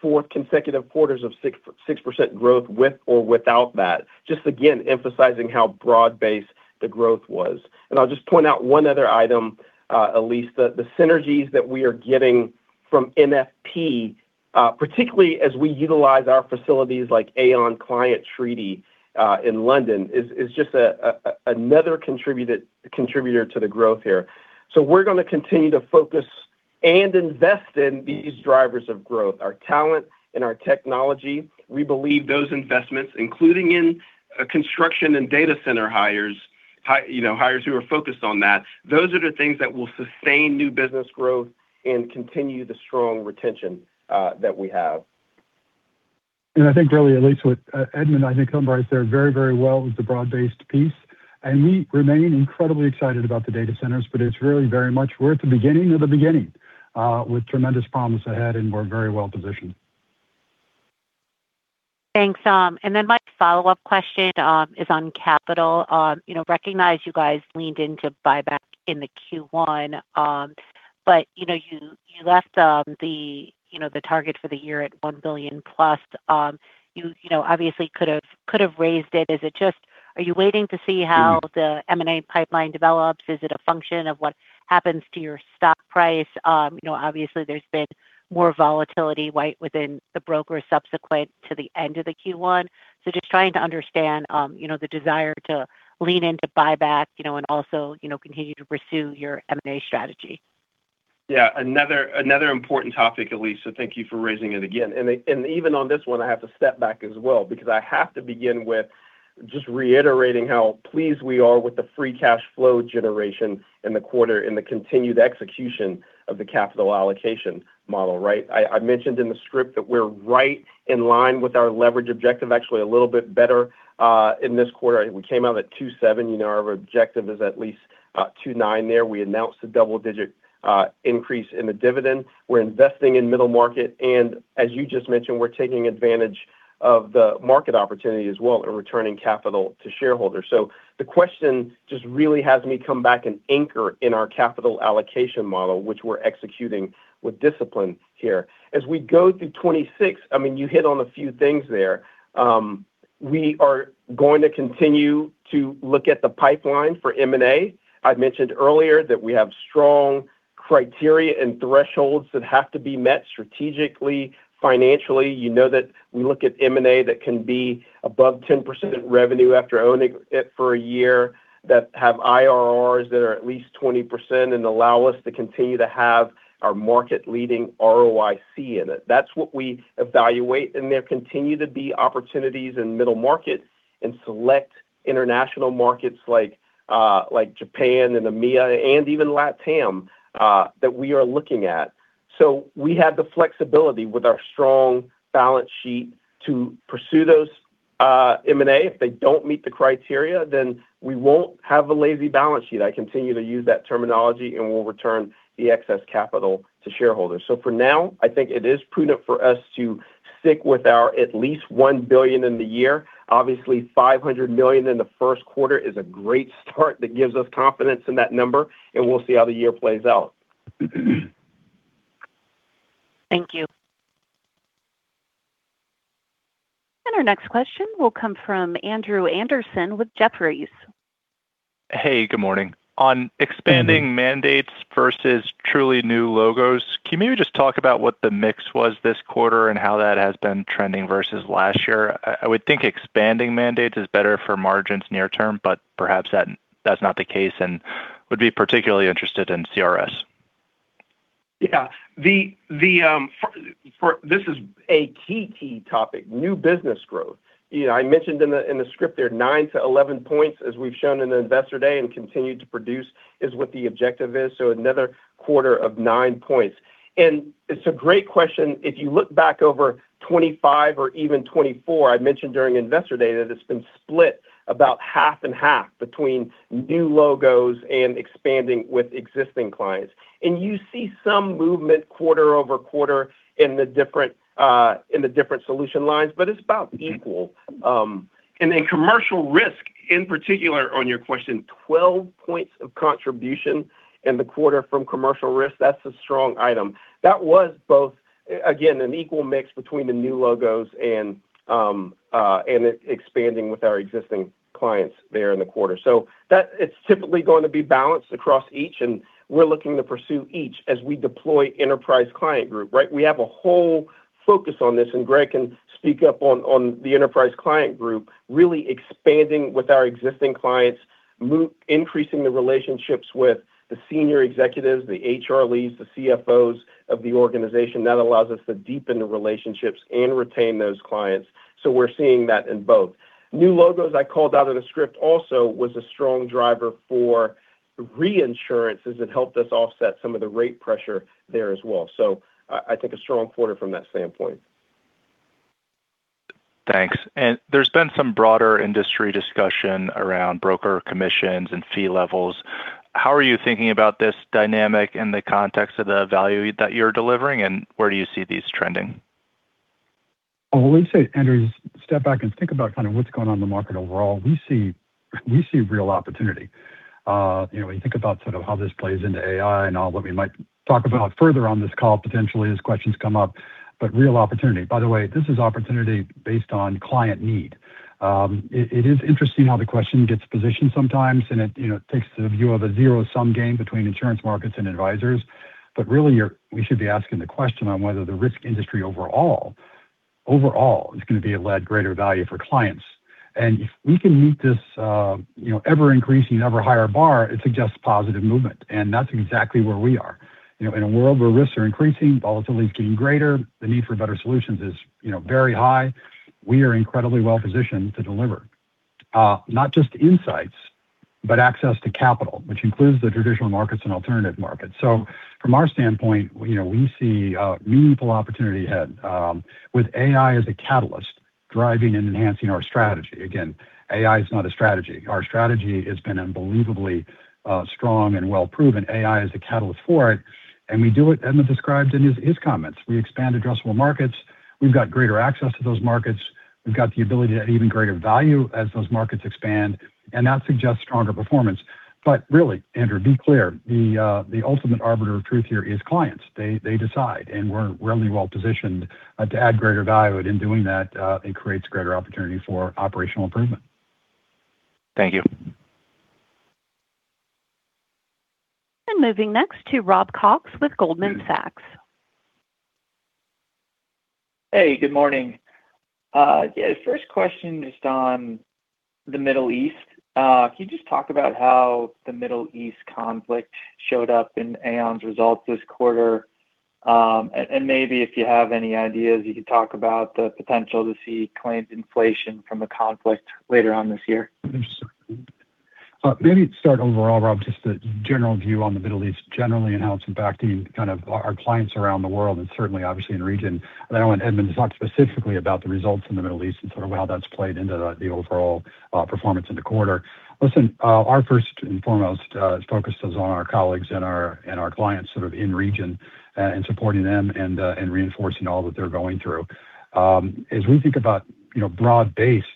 four consecutive quarters of 6% growth with or without that. Just again, emphasizing how broad-based the growth was. I'll just point out 1 other item, Elyse. The synergies that we are getting from NFP, particularly as we utilize our facilities like Aon Client Treaty in London is just another contributor to the growth here. We're going to continue to focus and invest in these drivers of growth, our talent and our technology. We believe those investments, including in construction and data center hires, those are the things that will sustain new business growth and continue the strong retention that we have. I think really, Elyse, what Edmund, I think, summarized there very, very well was the broad-based piece. We remain incredibly excited about the data centers, but it's really very much we're at the beginning of the beginning, with tremendous promise ahead, and we're very well-positioned. Thanks. My follow-up question is on capital. You recognize you guys leaned into buyback in the Q1, but you left the target for the year at $1 billion+. You obviously could have, could have raised it. Are you waiting to see how the M&A pipeline develops? Is it a function of what happens to your stock price? Obviously there's been more volatility right within the broker subsequent to the end of the Q1. Just trying to understand the desire to lean into buyback and also continue to pursue your M&A strategy. Yeah, another important topic, Elyse, so thank you for raising it again. Even on this one, I have to step back as well because I have to begin with just reiterating how pleased we are with the free cash flow generation in the quarter and the continued execution of the capital allocation model, right? I mentioned in the script that we're right in line with our leverage objective, actually a little bit better in this quarter. We came out at 2.7. You know our objective is at least 2.9 there. We announced a double-digit increase in the dividend. We're investing in middle market and as you just mentioned, we're taking advantage of the market opportunity as well and returning capital to shareholders. The question just really has me come back and anchor in our capital allocation model, which we're executing with discipline here. As we go through 2026, I mean, you hit on a few things there. We are going to continue to look at the pipeline for M&A. I mentioned earlier that we have strong criteria and thresholds that have to be met strategically, financially. You know that we look at M&A that can be above 10% revenue after owning it for a year, that have IRRs that are at least 20% and allow us to continue to have our market-leading ROIC in it. That's what we evaluate, and there continue to be opportunities in middle market and select international markets like Japan and EMEA and even LatAm that we are looking at. We have the flexibility with our strong balance sheet to pursue those M&A. If they don't meet the criteria, then we won't have a lazy balance sheet. I continue to use that terminology, and we'll return the excess capital to shareholders. For now, I think it is prudent for us to stick with our at least $1 billion in the year. Obviously, $500 million in the first quarter is a great start that gives us confidence in that number, and we'll see how the year plays out. Thank you. Our next question will come from Andrew Andersen with Jefferies. Hey, good morning. On expanding mandates versus truly new logos, can you just talk about what the mix was this quarter and how that has been trending versus last year? I would think expanding mandates is better for margins near term, but perhaps that's not the case and would be particularly interested in CRS. Yeah. This is a key topic, new business growth. You know, I mentioned in the script there, nine to 11 points, as we've shown in the Investor Day and continue to produce is what the objective is, so another quarter of nine points. It's a great question. If you look back over 2025 or even 2024, I mentioned during Investor Day that it's been split about half and half between new logos and expanding with existing clients. You see some movement quarter-over-quarter in the different solution lines, but it's about equal. In Commercial Risk, in particular on your question, 12 points of contribution in the quarter from Commercial Risk, that's a strong item. That was both, again, an equal mix between the new logos and it expanding with our existing clients there in the quarter. That it's typically going to be balanced across each, and we're looking to pursue each as we deploy Enterprise Client Group, right? We have a whole focus on this, and Greg can speak up on the Enterprise Client Group, really expanding with our existing clients, increasing the relationships with the senior executives, the HR leads, the CFOs of the organization. That allows us to deepen the relationships and retain those clients. We're seeing that in both. New logos I called out in the script also was a strong driver for Reinsurance as it helped us offset some of the rate pressure there as well. I think a strong quarter from that standpoint. Thanks. There's been some broader industry discussion around broker commissions and fee levels. How are you thinking about this dynamic in the context of the value that you're delivering, and where do you see these trending? Let me say, Andrew, step back and think about kind of what's going on in the market overall. We see real opportunity. You know, when you think about sort of how this plays into AI and all that we might talk about further on this call potentially as questions come up, real opportunity. By the way, this is opportunity based on client need. It is interesting how the question gets positioned sometimes, it, you know, takes the view of a zero-sum game between insurance markets and advisors. Really we should be asking the question on whether the risk industry overall is gonna be able to add greater value for clients. If we can meet this, you know, ever-increasing, ever-higher bar, it suggests positive movement, that's exactly where we are. You know, in a world where risks are increasing, volatility is getting greater, the need for better solutions is, you know, very high. We are incredibly well positioned to deliver not just insights, but access to capital, which includes the traditional markets and alternative markets. From our standpoint, you know, we see meaningful opportunity ahead with AI as a catalyst driving and enhancing our strategy. Again, AI is not a strategy. Our strategy has been unbelievably strong and well proven. AI is a catalyst for it, and we do it, Edmund described in his comments. We expand addressable markets. We've got greater access to those markets. We've got the ability to add even greater value as those markets expand, and that suggests stronger performance. Really, Andrew, be clear, the ultimate arbiter of truth here is clients. They decide, and we're really well positioned to add greater value, and in doing that, it creates greater opportunity for operational improvement. Thank you. Moving next to Robert Cox with Goldman Sachs. Hey, good morning. Yeah, first question just on the Middle East. Can you just talk about how the Middle East conflict showed up in Aon's results this quarter? Maybe if you have any ideas, you could talk about the potential to see claims inflation from the conflict later on this year. Maybe to start overall, Rob, just a general view on the Middle East generally and how it's impacting kind of our clients around the world and certainly obviously in the region. Then I want Edmund to talk specifically about the results in the Middle East and sort of how that's played into the overall performance in the quarter. Listen, our first and foremost focus is on our colleagues and our clients sort of in region and supporting them and reinforcing all that they're going through. As we think about, you know, broad-based,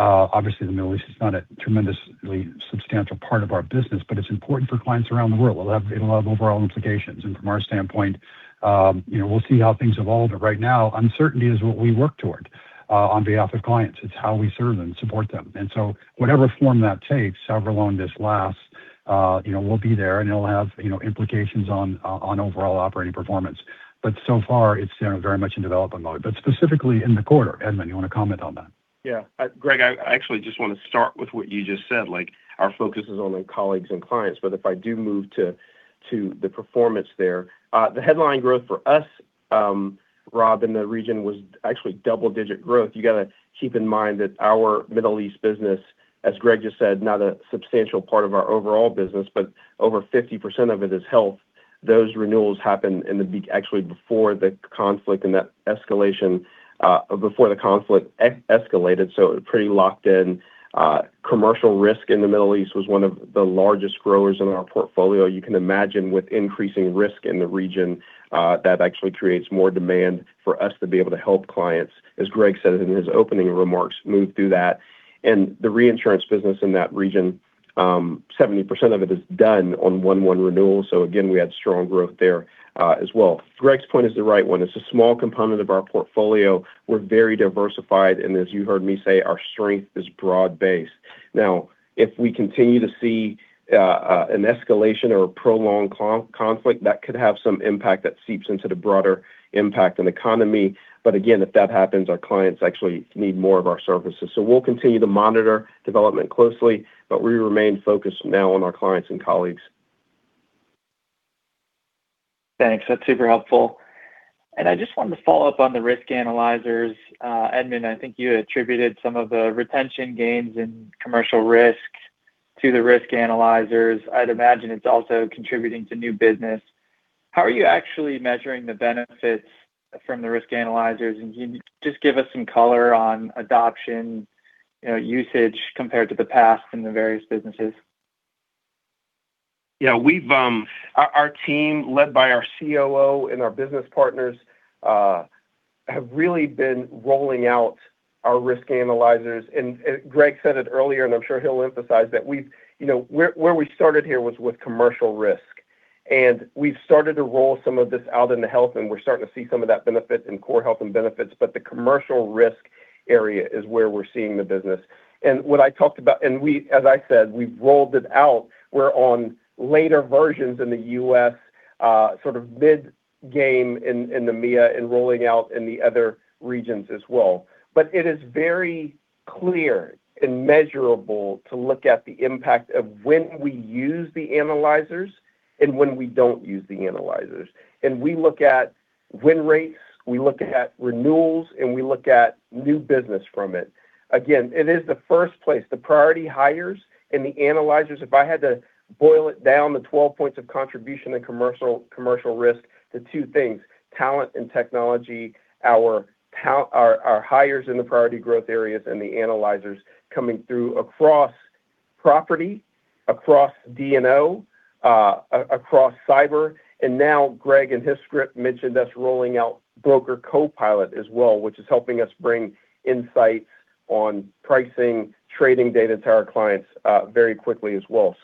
obviously the Middle East is not a tremendously substantial part of our business, but it's important for clients around the world. It'll have overall implications. From our standpoint, you know, we'll see how things evolve. Right now, uncertainty is what we work toward, on behalf of clients. It's how we serve them and support them. Whatever form that takes, however long this lasts, you know, we'll be there, and it'll have, you know, implications on overall operating performance. So far, it's, you know, very much in development mode. Specifically in the quarter, Edmund, you wanna comment on that? Greg, I actually just want to start with what you just said, like our focus is on the colleagues and clients. If I do move to the performance there, the headline growth for us, Rob, in the region was actually double-digit growth. You have to keep in mind that our Middle East business, as Greg just said, not a substantial part of our overall business, but over 50% of it is Health Solutions. Those renewals happen actually before the conflict and that escalation, before the conflict escalated, so pretty locked in. Commercial Risk in the Middle East was one of the largest growers in our portfolio. You can imagine with increasing risk in the region, that actually creates more demand for us to be able to help clients, as Greg said in his opening remarks, move through that. The reinsurance business in that region, 70% of it is done on one renewal. Again, we had strong growth there as well. Greg's point is the right one. It's a small component of our portfolio. We're very diversified, and as you heard me say, our strength is broad-based. Now, if we continue to see an escalation or a prolonged conflict, that could have some impact that seeps into the broader impact on economy. Again, if that happens, our clients actually need more of our services. We'll continue to monitor development closely, but we remain focused now on our clients and colleagues. Thanks. That's super helpful. I just wanted to follow up on the risk analyzers. Edmund, I think you attributed some of the retention gains in Commercial Risk to the risk analyzers. I'd imagine it's also contributing to new business. How are you actually measuring the benefits from the risk analyzers? Can you just give us some color on adoption, you know, usage compared to the past in the various businesses? Yeah, we've, our team, led by our COO and our business partners, have really been rolling out our risk analyzers. Greg said it earlier, and I'm sure he'll emphasize that we've. You know, where we started here was with commercial risk. We've started to roll some of this out into health, and we're starting to see some of that benefit in core health and benefits, but the commercial risk area is where we're seeing the business. We, as I said, we've rolled it out. We're on later versions in the U.S., sort of mid-game in the EMEA and rolling out in the other regions as well. It is very clear and measurable to look at the impact of when we use the analyzers and when we don't use the analyzers. We look at win rates, we look at renewals, and we look at new business from it. Again, it is the first place, the priority hires and the analyzers. If I had to boil it down to 12 points of contribution in Commercial Risk to two things: talent and technology. Our hires in the priority growth areas and the analyzers coming through across property, across D&O, across cyber. Now Greg in his script mentioned us rolling out Broker Copilot as well, which is helping us bring insights on pricing, trading data to our clients, very quickly as well.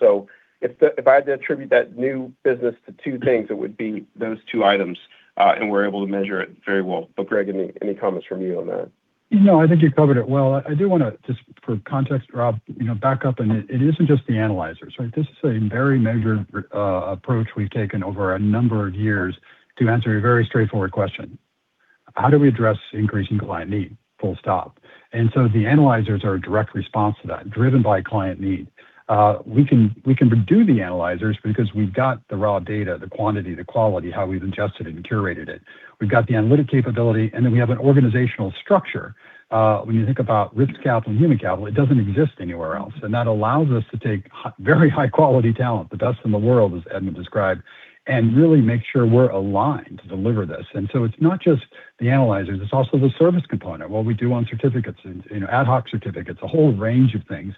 If I had to attribute that new business to two things, it would be those two items, and we're able to measure it very well. Greg, any comments from you on that? No, I think you covered it well. I do wanna just for context, Rob, you know, back up, it isn't just the analyzers, right? This is a very measured approach we've taken over a number of years to answer a very straightforward question. How do we address increasing client need? Full stop. The analyzers are a direct response to that, driven by client need. We can do the analyzers because we've got the raw data, the quantity, the quality, how we've ingested it and curated it. We've got the analytic capability, we have an organizational structure. When you think about risk capital and human capital, it doesn't exist anywhere else, that allows us to take very high quality talent, the best in the world, as Edmund described, and really make sure we're aligned to deliver this. It's not just the analyzers, it's also the service component, what we do on certificates and, you know, ad hoc certificates, a whole range of things,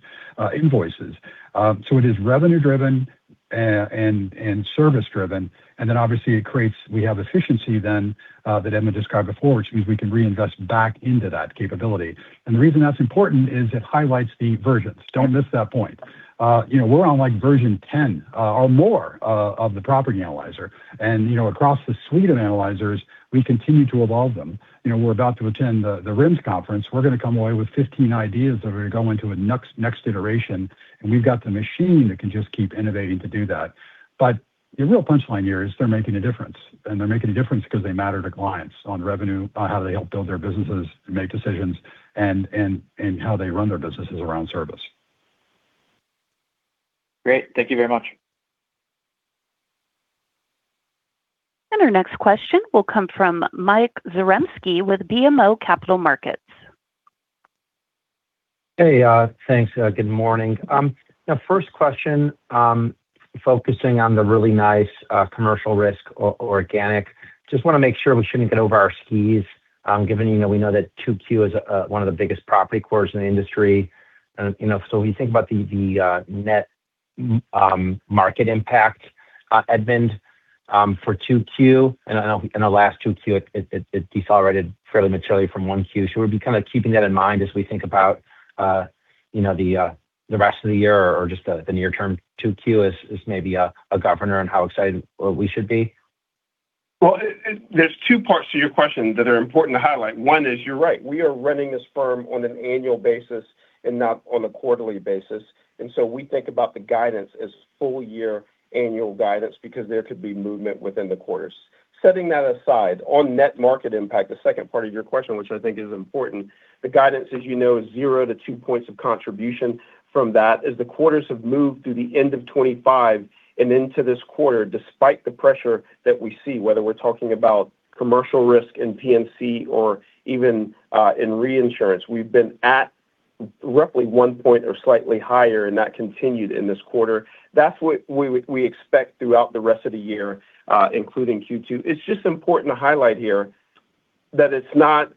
invoices. It is revenue driven and service driven. Obviously we have efficiency then that Edmund described before, which means we can reinvest back into that capability. The reason that's important is it highlights the versions. Don't miss that point. You know, we're on like version 10 or more of the property analyzer. You know, across the suite of analyzers, we continue to evolve them. You know, we're about to attend the RIMS conference. We're gonna come away with 15 ideas that are gonna go into a next iteration, and we've got the machine that can just keep innovating to do that. The real punchline here is they're making a difference, and they're making a difference because they matter to clients on revenue, on how they help build their businesses to make decisions and how they run their businesses around service. Great. Thank you very much. Our next question will come from Mike Zaremski with BMO Capital Markets. Hey, thanks. Good morning. Now first question, focusing on the really nice Commercial Risk organic. Just want to make sure we shouldn't get over our skis, given, you know, we know that 2Q is one of the biggest property quarters in the industry. You know, so we think about the net market impact, Edmund, for 2Q, and I know in the last 2Q, it decelerated fairly materially from 1Q. Should we be kind of keeping that in mind as we think about, you know, the rest of the year or just the near term 2Q as maybe a governor on how excited we should be? There is two parts to your question that are important to highlight. 1 is, you're right. We are running this firm on an annual basis and not on a quarterly basis. We think about the guidance as full-year annual guidance because there could be movement within the quarters. Setting that aside, on net market impact, the 2nd part of your question, which I think is important, the guidance as you know, is zero to two points of contribution from that. As the quarters have moved through the end of 2025 and into this quarter, despite the pressure that we see, whether we're talking about Commercial Risk in P&C or even in Reinsurance, we've been at roughly one point or slightly higher, and that continued in this quarter. That's what we expect throughout the rest of the year, including Q2. It's just important to highlight here that it's not.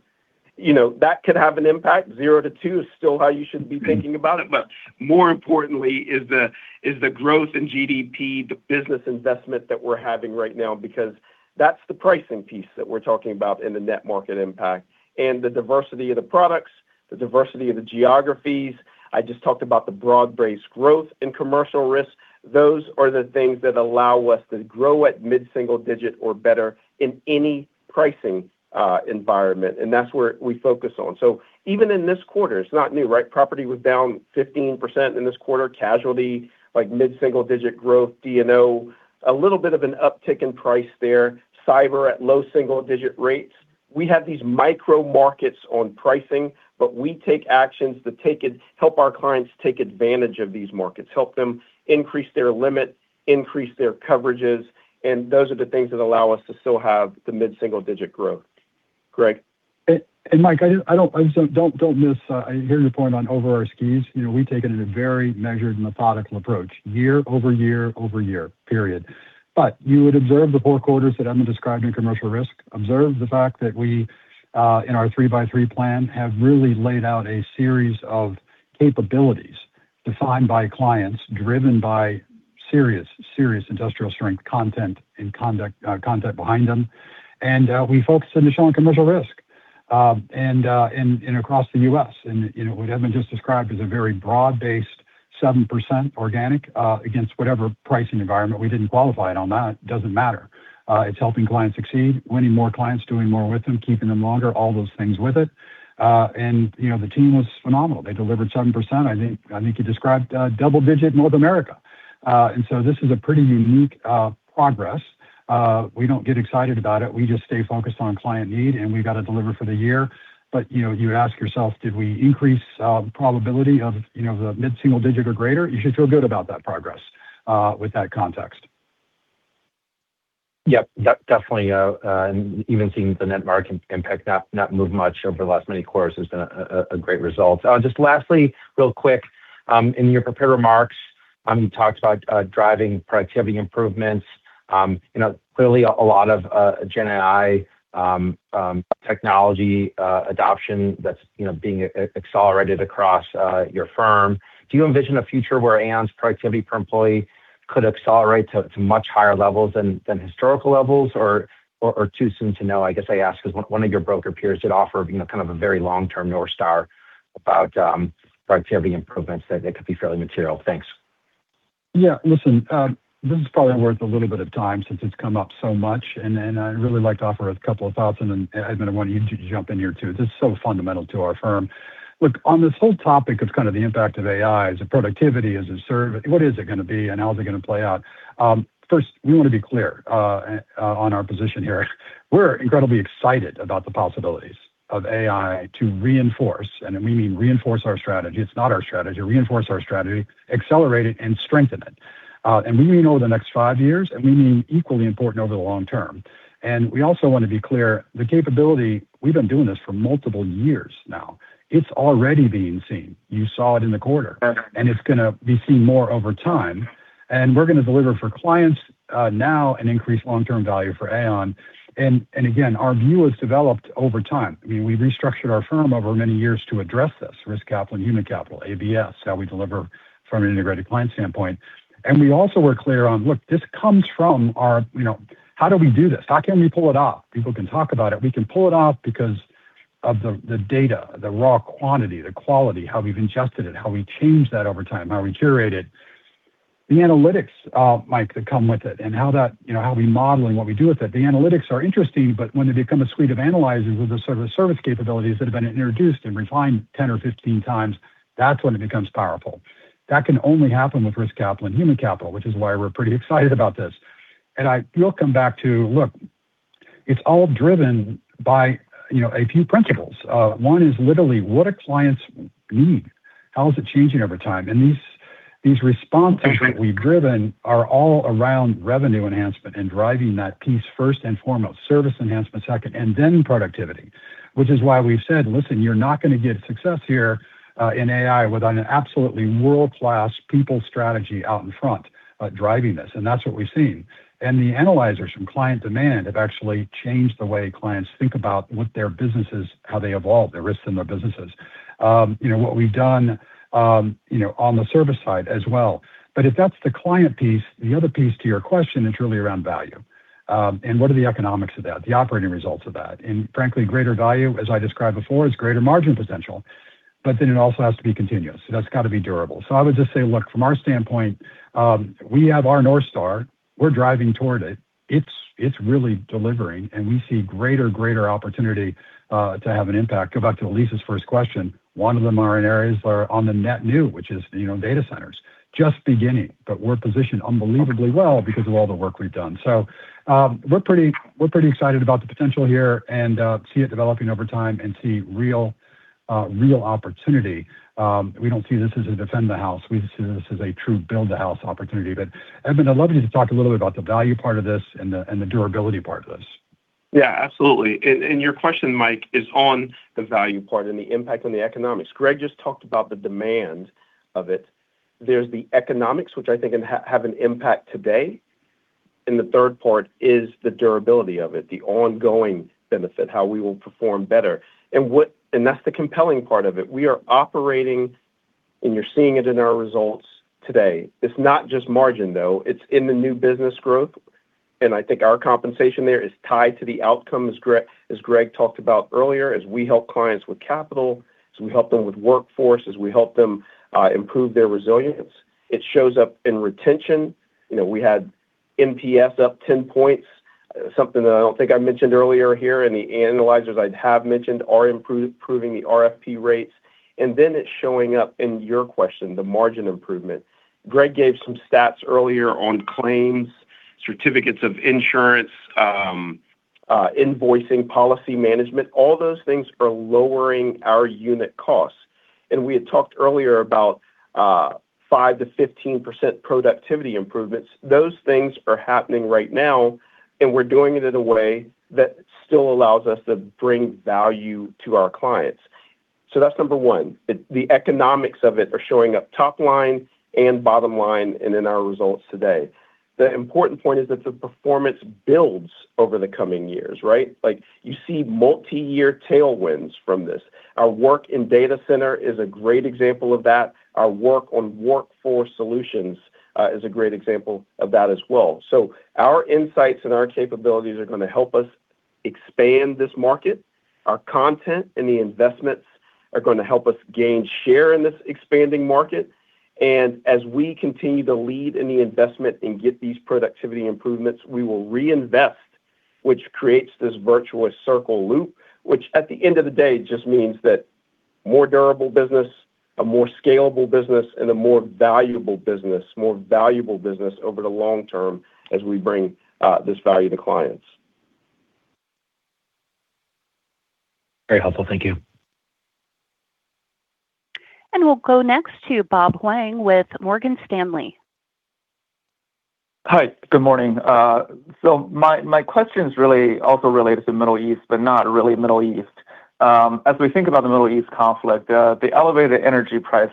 You know, that could have an impact. Zero to two is still how you should be thinking about it, but more importantly is the growth in GDP, the business investment that we're having right now because that's the pricing piece that we're talking about in the net market impact. The diversity of the products, the diversity of the geographies. I just talked about the broad-based growth in Commercial Risk. Those are the things that allow us to grow at mid-single-digit or better in any pricing environment. That's where we focus on. Even in this quarter, it's not new, right? Property was down 15% in this quarter. Casualty, like mid-single-digit growth. D&O, a little bit of an uptick in price there. Cyber at low-single-digit rates. We have these micro markets on pricing. We take actions to help our clients take advantage of these markets, help them increase their limit, increase their coverages, and those are the things that allow us to still have the mid-single digit growth. Greg? Mike, I don't, I don't, don't miss, I hear your point on over our skis. You would observe the 4 quarters that Edmund described in Commercial Risk, observe the fact that we, in our 3x3 Plan, have really laid out a series of capabilities defined by clients, driven by serious industrial strength content and conduct, content behind them. We focus initially on Commercial Risk, and across the U.S. You know, what Edmund just described is a very broad-based 7% organic, against whatever pricing environment. We didn't qualify it on that. It doesn't matter. It's helping clients succeed, winning more clients, doing more with them, keeping them longer, all those things with it. You know, the team was phenomenal. They delivered 7%. I think you described, double-digit North America. This is a pretty unique progress. We don't get excited about it. We just stay focused on client need, and we've got to deliver for the year. You know, you ask yourself, "Did we increase the probability of, you know, the mid-single-digit or greater?" You should feel good about that progress, with that context. Yep. Yep, definitely. And even seeing the net market impact not move much over the last many quarters has been a great result. Just lastly, real quick, in your prepared remarks, you talked about driving productivity improvements. You know, clearly a lot of GenAI technology adoption that's, you know, being accelerated across your firm. Do you envision a future where Aon's productivity per employee could accelerate to much higher levels than historical levels or too soon to know? I guess I ask 'cause one of your broker peers did offer, you know, kind of a very long-term North Star about productivity improvements that could be fairly material. Thanks. Yeah. Listen, this is probably worth a little bit of time since it's come up so much, and I'd really like to offer a couple of thoughts, and then, Edmund, I want you to jump in here too. This is so fundamental to our firm. Look, on this whole topic of kind of the impact of AI as a productivity, as a service, what is it gonna be, and how is it gonna play out? First, we want to be clear on our position here. We're incredibly excited about the possibilities of AI to reinforce, and we mean reinforce our strategy. It's not our strategy. Reinforce our strategy, accelerate it, and strengthen it. We mean over the next five years, and we mean equally important over the long term. We also want to be clear, the capability, we've been doing this for multiple years now. It's already being seen. You saw it in the quarter. Right. It's gonna be seen more over time. We're gonna deliver for clients, now an increased long-term value for Aon. Again, our view has developed over time. I mean, we restructured our firm over many years to address this risk capital and human capital, ABS, how we deliver from an integrated client standpoint. We also were clear on, look, this comes from our, you know, how do we do this? How can we pull it off? People can talk about it. We can pull it off because of the data, the raw quantity, the quality, how we've adjusted it, how we changed that over time, how we curate it. The analytics, Mike, that come with it and how that, you know, how we model and what we do with it, the analytics are interesting, but when they become a suite of analyzers with the sort of service capabilities that have been introduced and refined 10 or 15x, that's when it becomes powerful. That can only happen with risk capital and human capital, which is why we're pretty excited about this. I will come back to, look, it's all driven by, you know, a few principles. One is literally what do clients need? How is it changing over time? These, these responses that we've driven are all around revenue enhancement and driving that piece first and foremost, service enhancement second, and then productivity. Which is why we've said, "Listen, you're not gonna get success here in AI without an absolutely world-class people strategy out in front driving this." That's what we've seen. The analytics from client demand have actually changed the way clients think about what their businesses, how they evolve, the risks in their businesses. You know, what we've done, you know, on the service side as well. If that's the client piece, the other piece to your question is really around value, what are the economics of that, the operating results of that? Frankly, greater value, as I described before, is greater margin potential, it also has to be continuous. It has got to be durable. I would just say, look, from our standpoint, we have our North Star, we're driving toward it. It's really delivering, and we see greater opportunity to have an impact. Go back to Elyse's first question. One of them are in areas that are on the net new, which is data centers. Just beginning, we're positioned unbelievably well because of all the work we've done. We're pretty excited about the potential here and see it developing over time and see real opportunity. We don't see this as a defend the house. We see this as a true build the house opportunity. Edmund, I'd love you to talk a little bit about the value part of this and the durability part of this. Yeah, absolutely. Your question, Mike, is on the value part and the impact on the economics. Greg just talked about the demand of it. There's the economics, which I think have an impact today, and the third part is the durability of it, the ongoing benefit, how we will perform better. That's the compelling part of it. We are operating, and you're seeing it in our results today. It's not just margin, though. It's in the new business growth, and I think our compensation there is tied to the outcomes, as Greg talked about earlier, as we help clients with capital, as we help them with workforce, as we help them improve their resilience. It shows up in retention. You know, we had NPS up 10 points, something that I don't think I mentioned earlier here, and the analysts I have mentioned are improving the RFP rates. Then it's showing up in your question, the margin improvement. Greg gave some stats earlier on claims, certificates of insurance, invoicing, policy management. All those things are lowering our unit costs. We had talked earlier about 5%-15% productivity improvements. Those things are happening right now, and we're doing it in a way that still allows us to bring value to our clients. That's number one. The economics of it are showing up top line and bottom line and in our results today. The important point is that the performance builds over the coming years, right? Like, you see multiyear tailwinds from this. Our work in data center is a great example of that. Our work on workforce solutions is a great example of that as well. Our insights and our capabilities are gonna help us expand this market. Our content and the investments are gonna help us gain share in this expanding market. As we continue to lead in the investment and get these productivity improvements, we will reinvest, which creates this virtuous circle loop, which at the end of the day just means that more durable business, a more scalable business, and a more valuable business over the long term as we bring this value to clients. Very helpful. Thank you. We'll go next to Bob Huang with Morgan Stanley. Hi, good morning. My question's really also related to Middle East, but not really Middle East. As we think about the Middle East conflict, the elevated energy price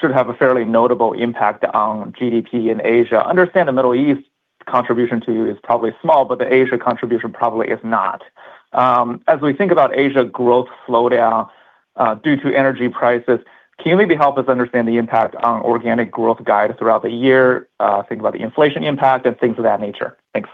should have a fairly notable impact on GDP in Asia. Understand the Middle East contribution to you is probably small, but the Asia contribution probably is not. As we think about Asia growth slowdown, due to energy prices, can you maybe help us understand the impact on organic growth guide throughout the year, think about the inflation impact and things of that nature? Thanks.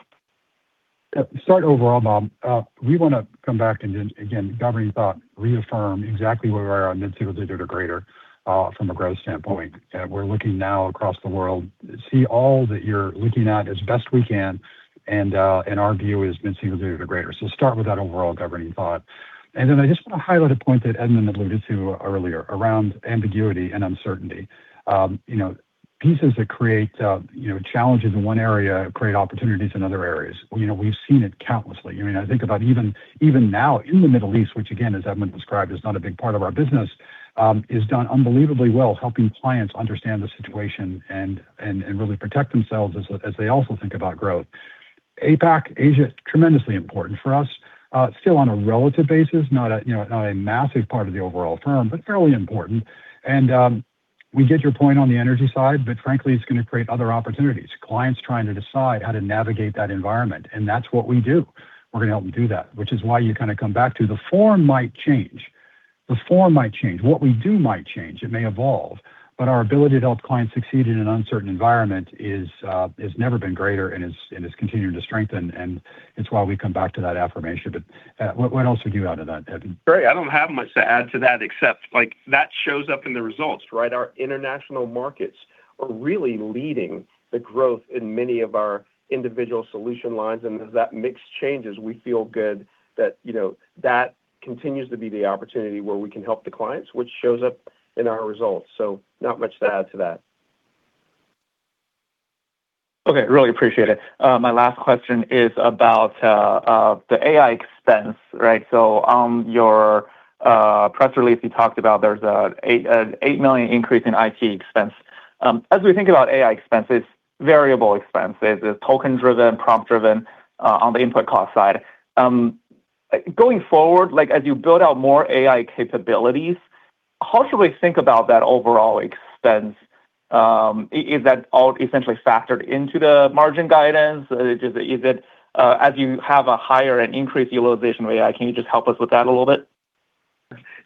Overall, Bob, we wanna come back and then again, governing thought, reaffirm exactly where we are on mid-single digit or greater from a growth standpoint. We're looking now across the world, see all that you're looking at as best we can and our view is mid-single digit or greater. Start with that overall governing thought. Then I just want to highlight a point that Edmund alluded to earlier around ambiguity and uncertainty. You know, pieces that create, you know, challenges in one area create opportunities in other areas. You know, we've seen it countlessly. I mean, I think about even now in the Middle East, which again, as Edmund described, is not a big part of our business, is done unbelievably well, helping clients understand the situation and really protect themselves as they also think about growth. APAC, Asia, tremendously important for us. Still on a relative basis, not a, you know, not a massive part of the overall firm, but fairly important. We get your point on the energy side, but frankly, it's gonna create other opportunities. Clients trying to decide how to navigate that environment, and that's what we do. We're gonna help them do that, which is why you kind of come back to the form might change. The form might change. What we do might change. It may evolve. Our ability to help clients succeed in an uncertain environment has never been greater and is continuing to strengthen, and it's why we come back to that affirmation. What else do we do out of that, Edmund? Greg, I don't have much to add to that except, like, that shows up in the results, right? Our international markets are really leading the growth in many of our individual solution lines, and as that mix changes, we feel good that, you know, that continues to be the opportunity where we can help the clients, which shows up in our results. Not much to add to that. Okay, really appreciate it. My last question is about the AI expense, right? On your press release, you talked about there's an $8 million increase in IT expense. As we think about AI expense, it's variable expense. It's token-driven, prompt-driven on the input cost side. Going forward, like, as you build out more AI capabilities, how should we think about that overall expense? Is that all essentially factored into the margin guidance? Is it as you have a higher and increased utilization of AI? Can you just help us with that a little bit?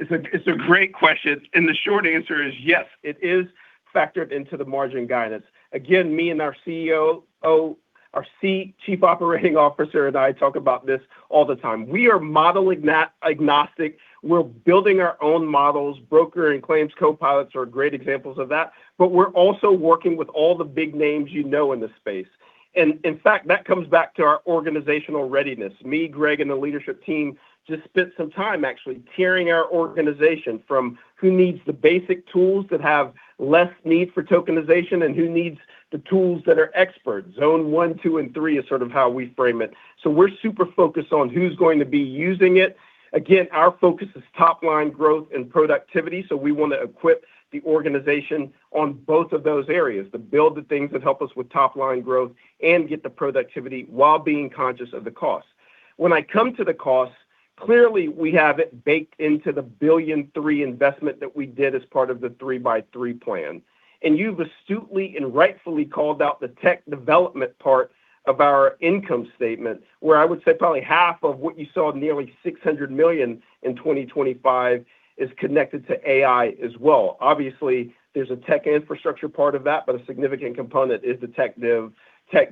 It's a great question. The short answer is yes, it is factored into the margin guidance. Me and our Chief Operating Officer and I talk about this all the time. We are model agnostic. We're building our own models. Broker and Claims Copilots are great examples of that. We're also working with all the big names you know in this space. In fact, that comes back to our organizational readiness. Me, Greg, and the leadership team just spent some time actually tiering our organization from who needs the basic tools that have less need for tokenization and who needs the tools that are expert. Zone 1, 2, and 3 is sort of how we frame it. We're super focused on who's going to be using it. Our focus is top line growth and productivity. We want to equip the organization on both of those areas to build the things that help us with top line growth and get the productivity while being conscious of the cost. When I come to the cost, clearly we have it baked into the $1.3 billion investment that we did as part of the 3x3 Plan. You've astutely and rightfully called out the tech development part of our income statement, where I would say probably half of what you saw, nearly $600 million in 2025 is connected to AI as well. Obviously, there's a tech infrastructure part of that, but a significant component is the tech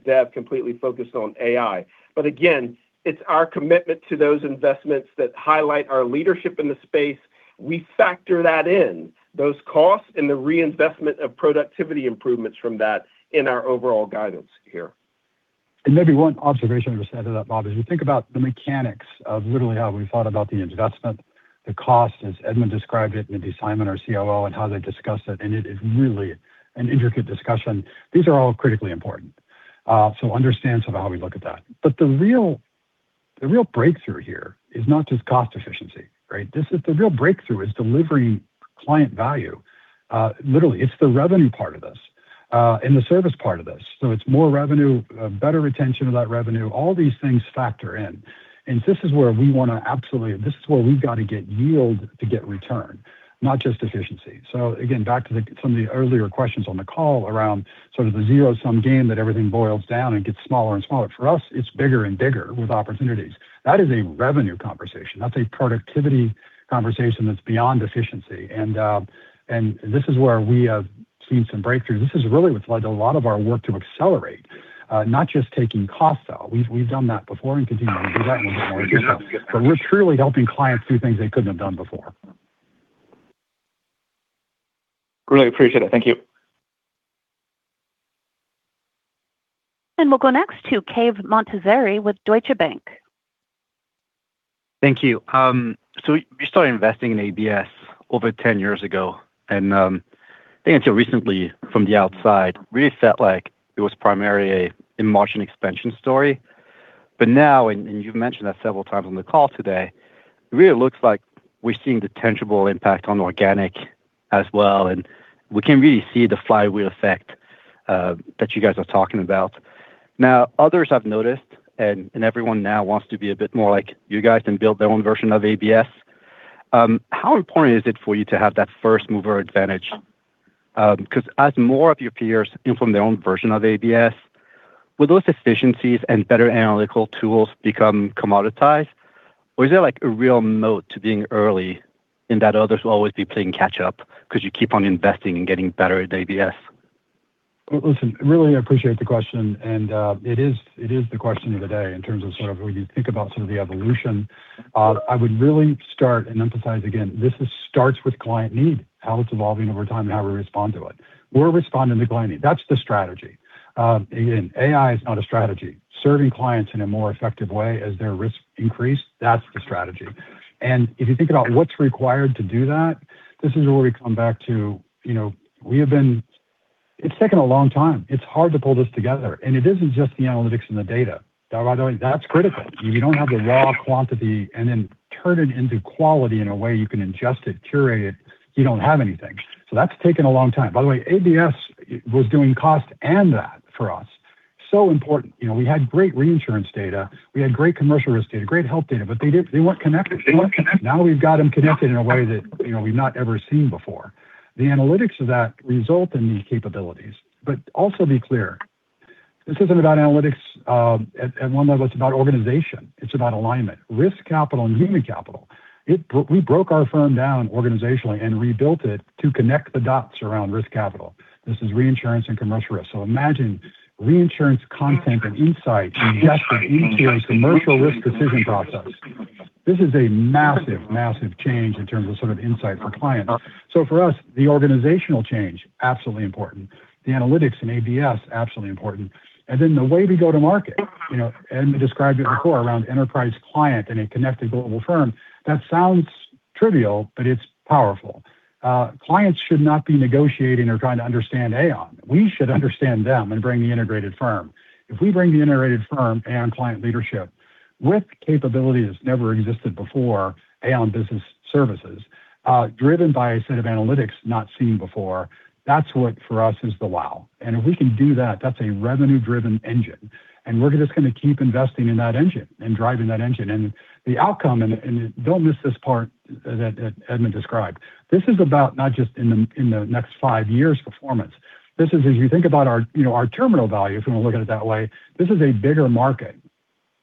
dev completely focused on AI. Again, it's our commitment to those investments that highlight our leadership in the space. We factor that in, those costs and the reinvestment of productivity improvements from that in our overall guidance here. Maybe one observation just to add to that, Bob, as you think about the mechanics of literally how we thought about the investment, the cost as Edmund described it, Mindy Simon, our COO, and how they discussed it, and it is really an intricate discussion. These are all critically important. So understand sort of how we look at that. The real breakthrough here is not just cost efficiency, right? This is the real breakthrough is delivering client value. Literally, it's the revenue part of this and the service part of this. It's more revenue, better retention of that revenue. All these things factor in. This is where we've got to get yield to get return, not just efficiency. Again, back to the, some of the earlier questions on the call around sort of the zero-sum game that everything boils down and gets smaller and smaller. For us, it's bigger and bigger with opportunities. That is a revenue conversation. That's a productivity conversation that's beyond efficiency. This is where we have seen some breakthroughs. This is really what's led a lot of our work to accelerate, not just taking cost out. We've done that before and continue to do that but we're truly helping clients do things they couldn't have done before. Really appreciate it. Thank you. We'll go next to Cave Montazeri with Deutsche Bank. Thank you. We started investing in ABS over 10 years ago. I think until recently from the outside, really felt like it was primarily a margin expansion story. You've mentioned that several times on the call today, it really looks like we're seeing the tangible impact on organic as well, and we can really see the flywheel effect that you guys are talking about. Others have noticed and everyone now wants to be a bit more like you guys can build their own version of ABS. How important is it for you to have that first mover advantage? 'Cause as more of your peers implement their own version of ABS, will those efficiencies and better analytical tools become commoditized, or is there like a real moat to being early in that others will always be playing catch up because you keep on investing and getting better at ABS? Listen, really appreciate the question, and it is the question of the day in terms of sort of when you think about some of the evolution. I would really start and emphasize again, this starts with client need, how it's evolving over time, and how we respond to it. We're responding to client need. That's the strategy. Again, AI is not a strategy. Serving clients in a more effective way as their risks increase, that's the strategy. If you think about what's required to do that, this is where we come back to, you know, It's taken a long time. It's hard to pull this together. It isn't just the analytics and the data. By the way, that's critical. If you don't have the raw quantity and then turn it into quality in a way you can ingest it, curate it, you don't have anything. That's taken a long time. By the way, ABS was doing cost and that for us, so important. You know, we had great Reinsurance data, we had great Commercial Risk data, great Health data, but they weren't connected. Now we've got them connected in a way that, you know, we've not ever seen before. The analytics of that result in these capabilities. Also be clear, this isn't about analytics, and one level, it's about organization. It's about alignment. Risk Capital and Human Capital. We broke our firm down organizationally and rebuilt it to connect the dots around Risk Capital. This is Reinsurance and Commercial Risk. Imagine Reinsurance content and insight injected into your Commercial Risk decision process. This is a massive change in terms of sort of insight for clients. For us, the organizational change, absolutely important. The analytics and ABS, absolutely important. The way we go to market, you know, Edmund described it before around Enterprise Client and a connected global firm. That sounds trivial, but it's powerful. Clients should not be negotiating or trying to understand Aon. We should understand them and bring the integrated firm. If we bring the integrated firm and Client Leadership with capability that's never existed before, Aon Business Services, driven by a set of analytics not seen before, that's what for us is the wow. If we can do that's a revenue-driven engine. We're just gonna keep investing in that engine and driving that engine. The outcome, and don't miss this part that Edmund described. This is about not just in the next five years' performance. This is as you think about our, you know, our terminal value, if you wanna look at it that way, this is a bigger market.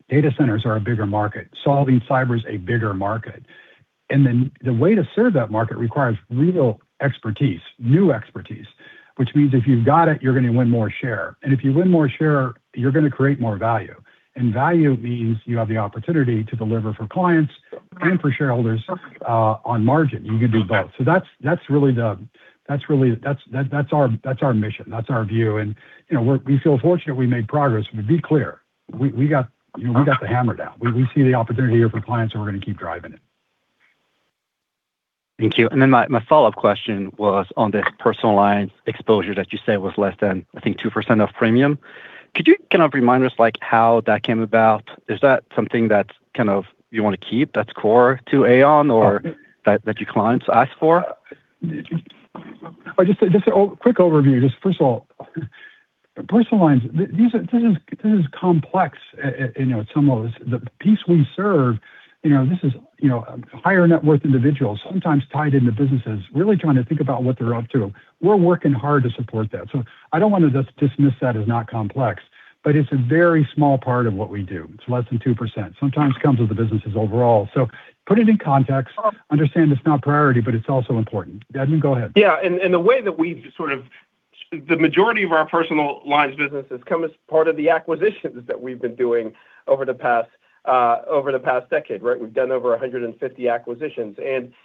Data centers are a bigger market. Solving cyber is a bigger market. The way to serve that market requires real expertise, new expertise, which means if you've got it, you're gonna win more share. If you win more share, you're gonna create more value. Value means you have the opportunity to deliver for clients and for shareholders on margin. You can do both. That's really the. That's our mission. That's our view. You know, we feel fortunate we made progress. Be clear, we got, you know, we got the hammer down. We see the opportunity here for clients, and we're gonna keep driving it. Thank you. My follow-up question was on my personal line exposure that you said was less than, I think, 2% of premium. Can you remind us, like, how that came about? Is that something that kind of you wanna keep that's core to Aon or that your clients ask for? Just a quick overview. Just first of all, personal lines, this is complex, you know, some of this. The piece we serve, you know, this is, you know, higher net worth individuals sometimes tied into businesses really trying to think about what they're up to. We're working hard to support that. I don't wanna just dismiss that as not complex, but it's a very small part of what we do. It's less than 2%. Sometimes comes with the businesses overall. Put it in context. Understand it's not priority, but it's also important. Edmund, go ahead. Yeah. The majority of our personal lines business has come as part of the acquisitions that we've been doing over the past over the past decade. We've done over 150 acquisitions.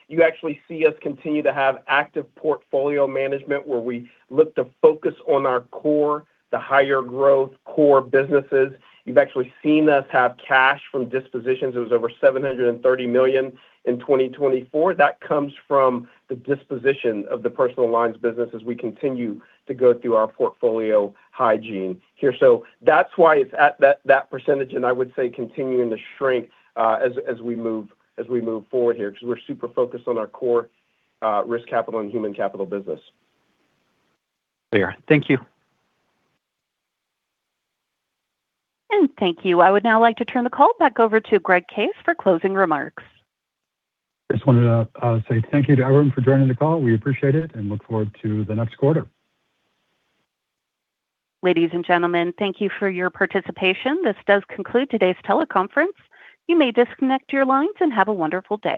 You actually see us continue to have active portfolio management where we look to focus on our core, the higher growth core businesses. You've actually seen us have cash from dispositions. It was over $730 million in 2024. That comes from the disposition of the personal lines business as we continue to go through our portfolio hygiene here. That's why it's at that percentage, and I would say continuing to shrink as we move, as we move forward here because we're super focused on our core risk capital and human capital business. Clear. Thank you. Thank you. I would now like to turn the call back over to Greg Case for closing remarks. Just wanted to say thank you to everyone for joining the call. We appreciate it and look forward to the next quarter. Ladies and gentlemen, thank you for your participation. This does conclude today's teleconference. You may disconnect your lines and have a wonderful day.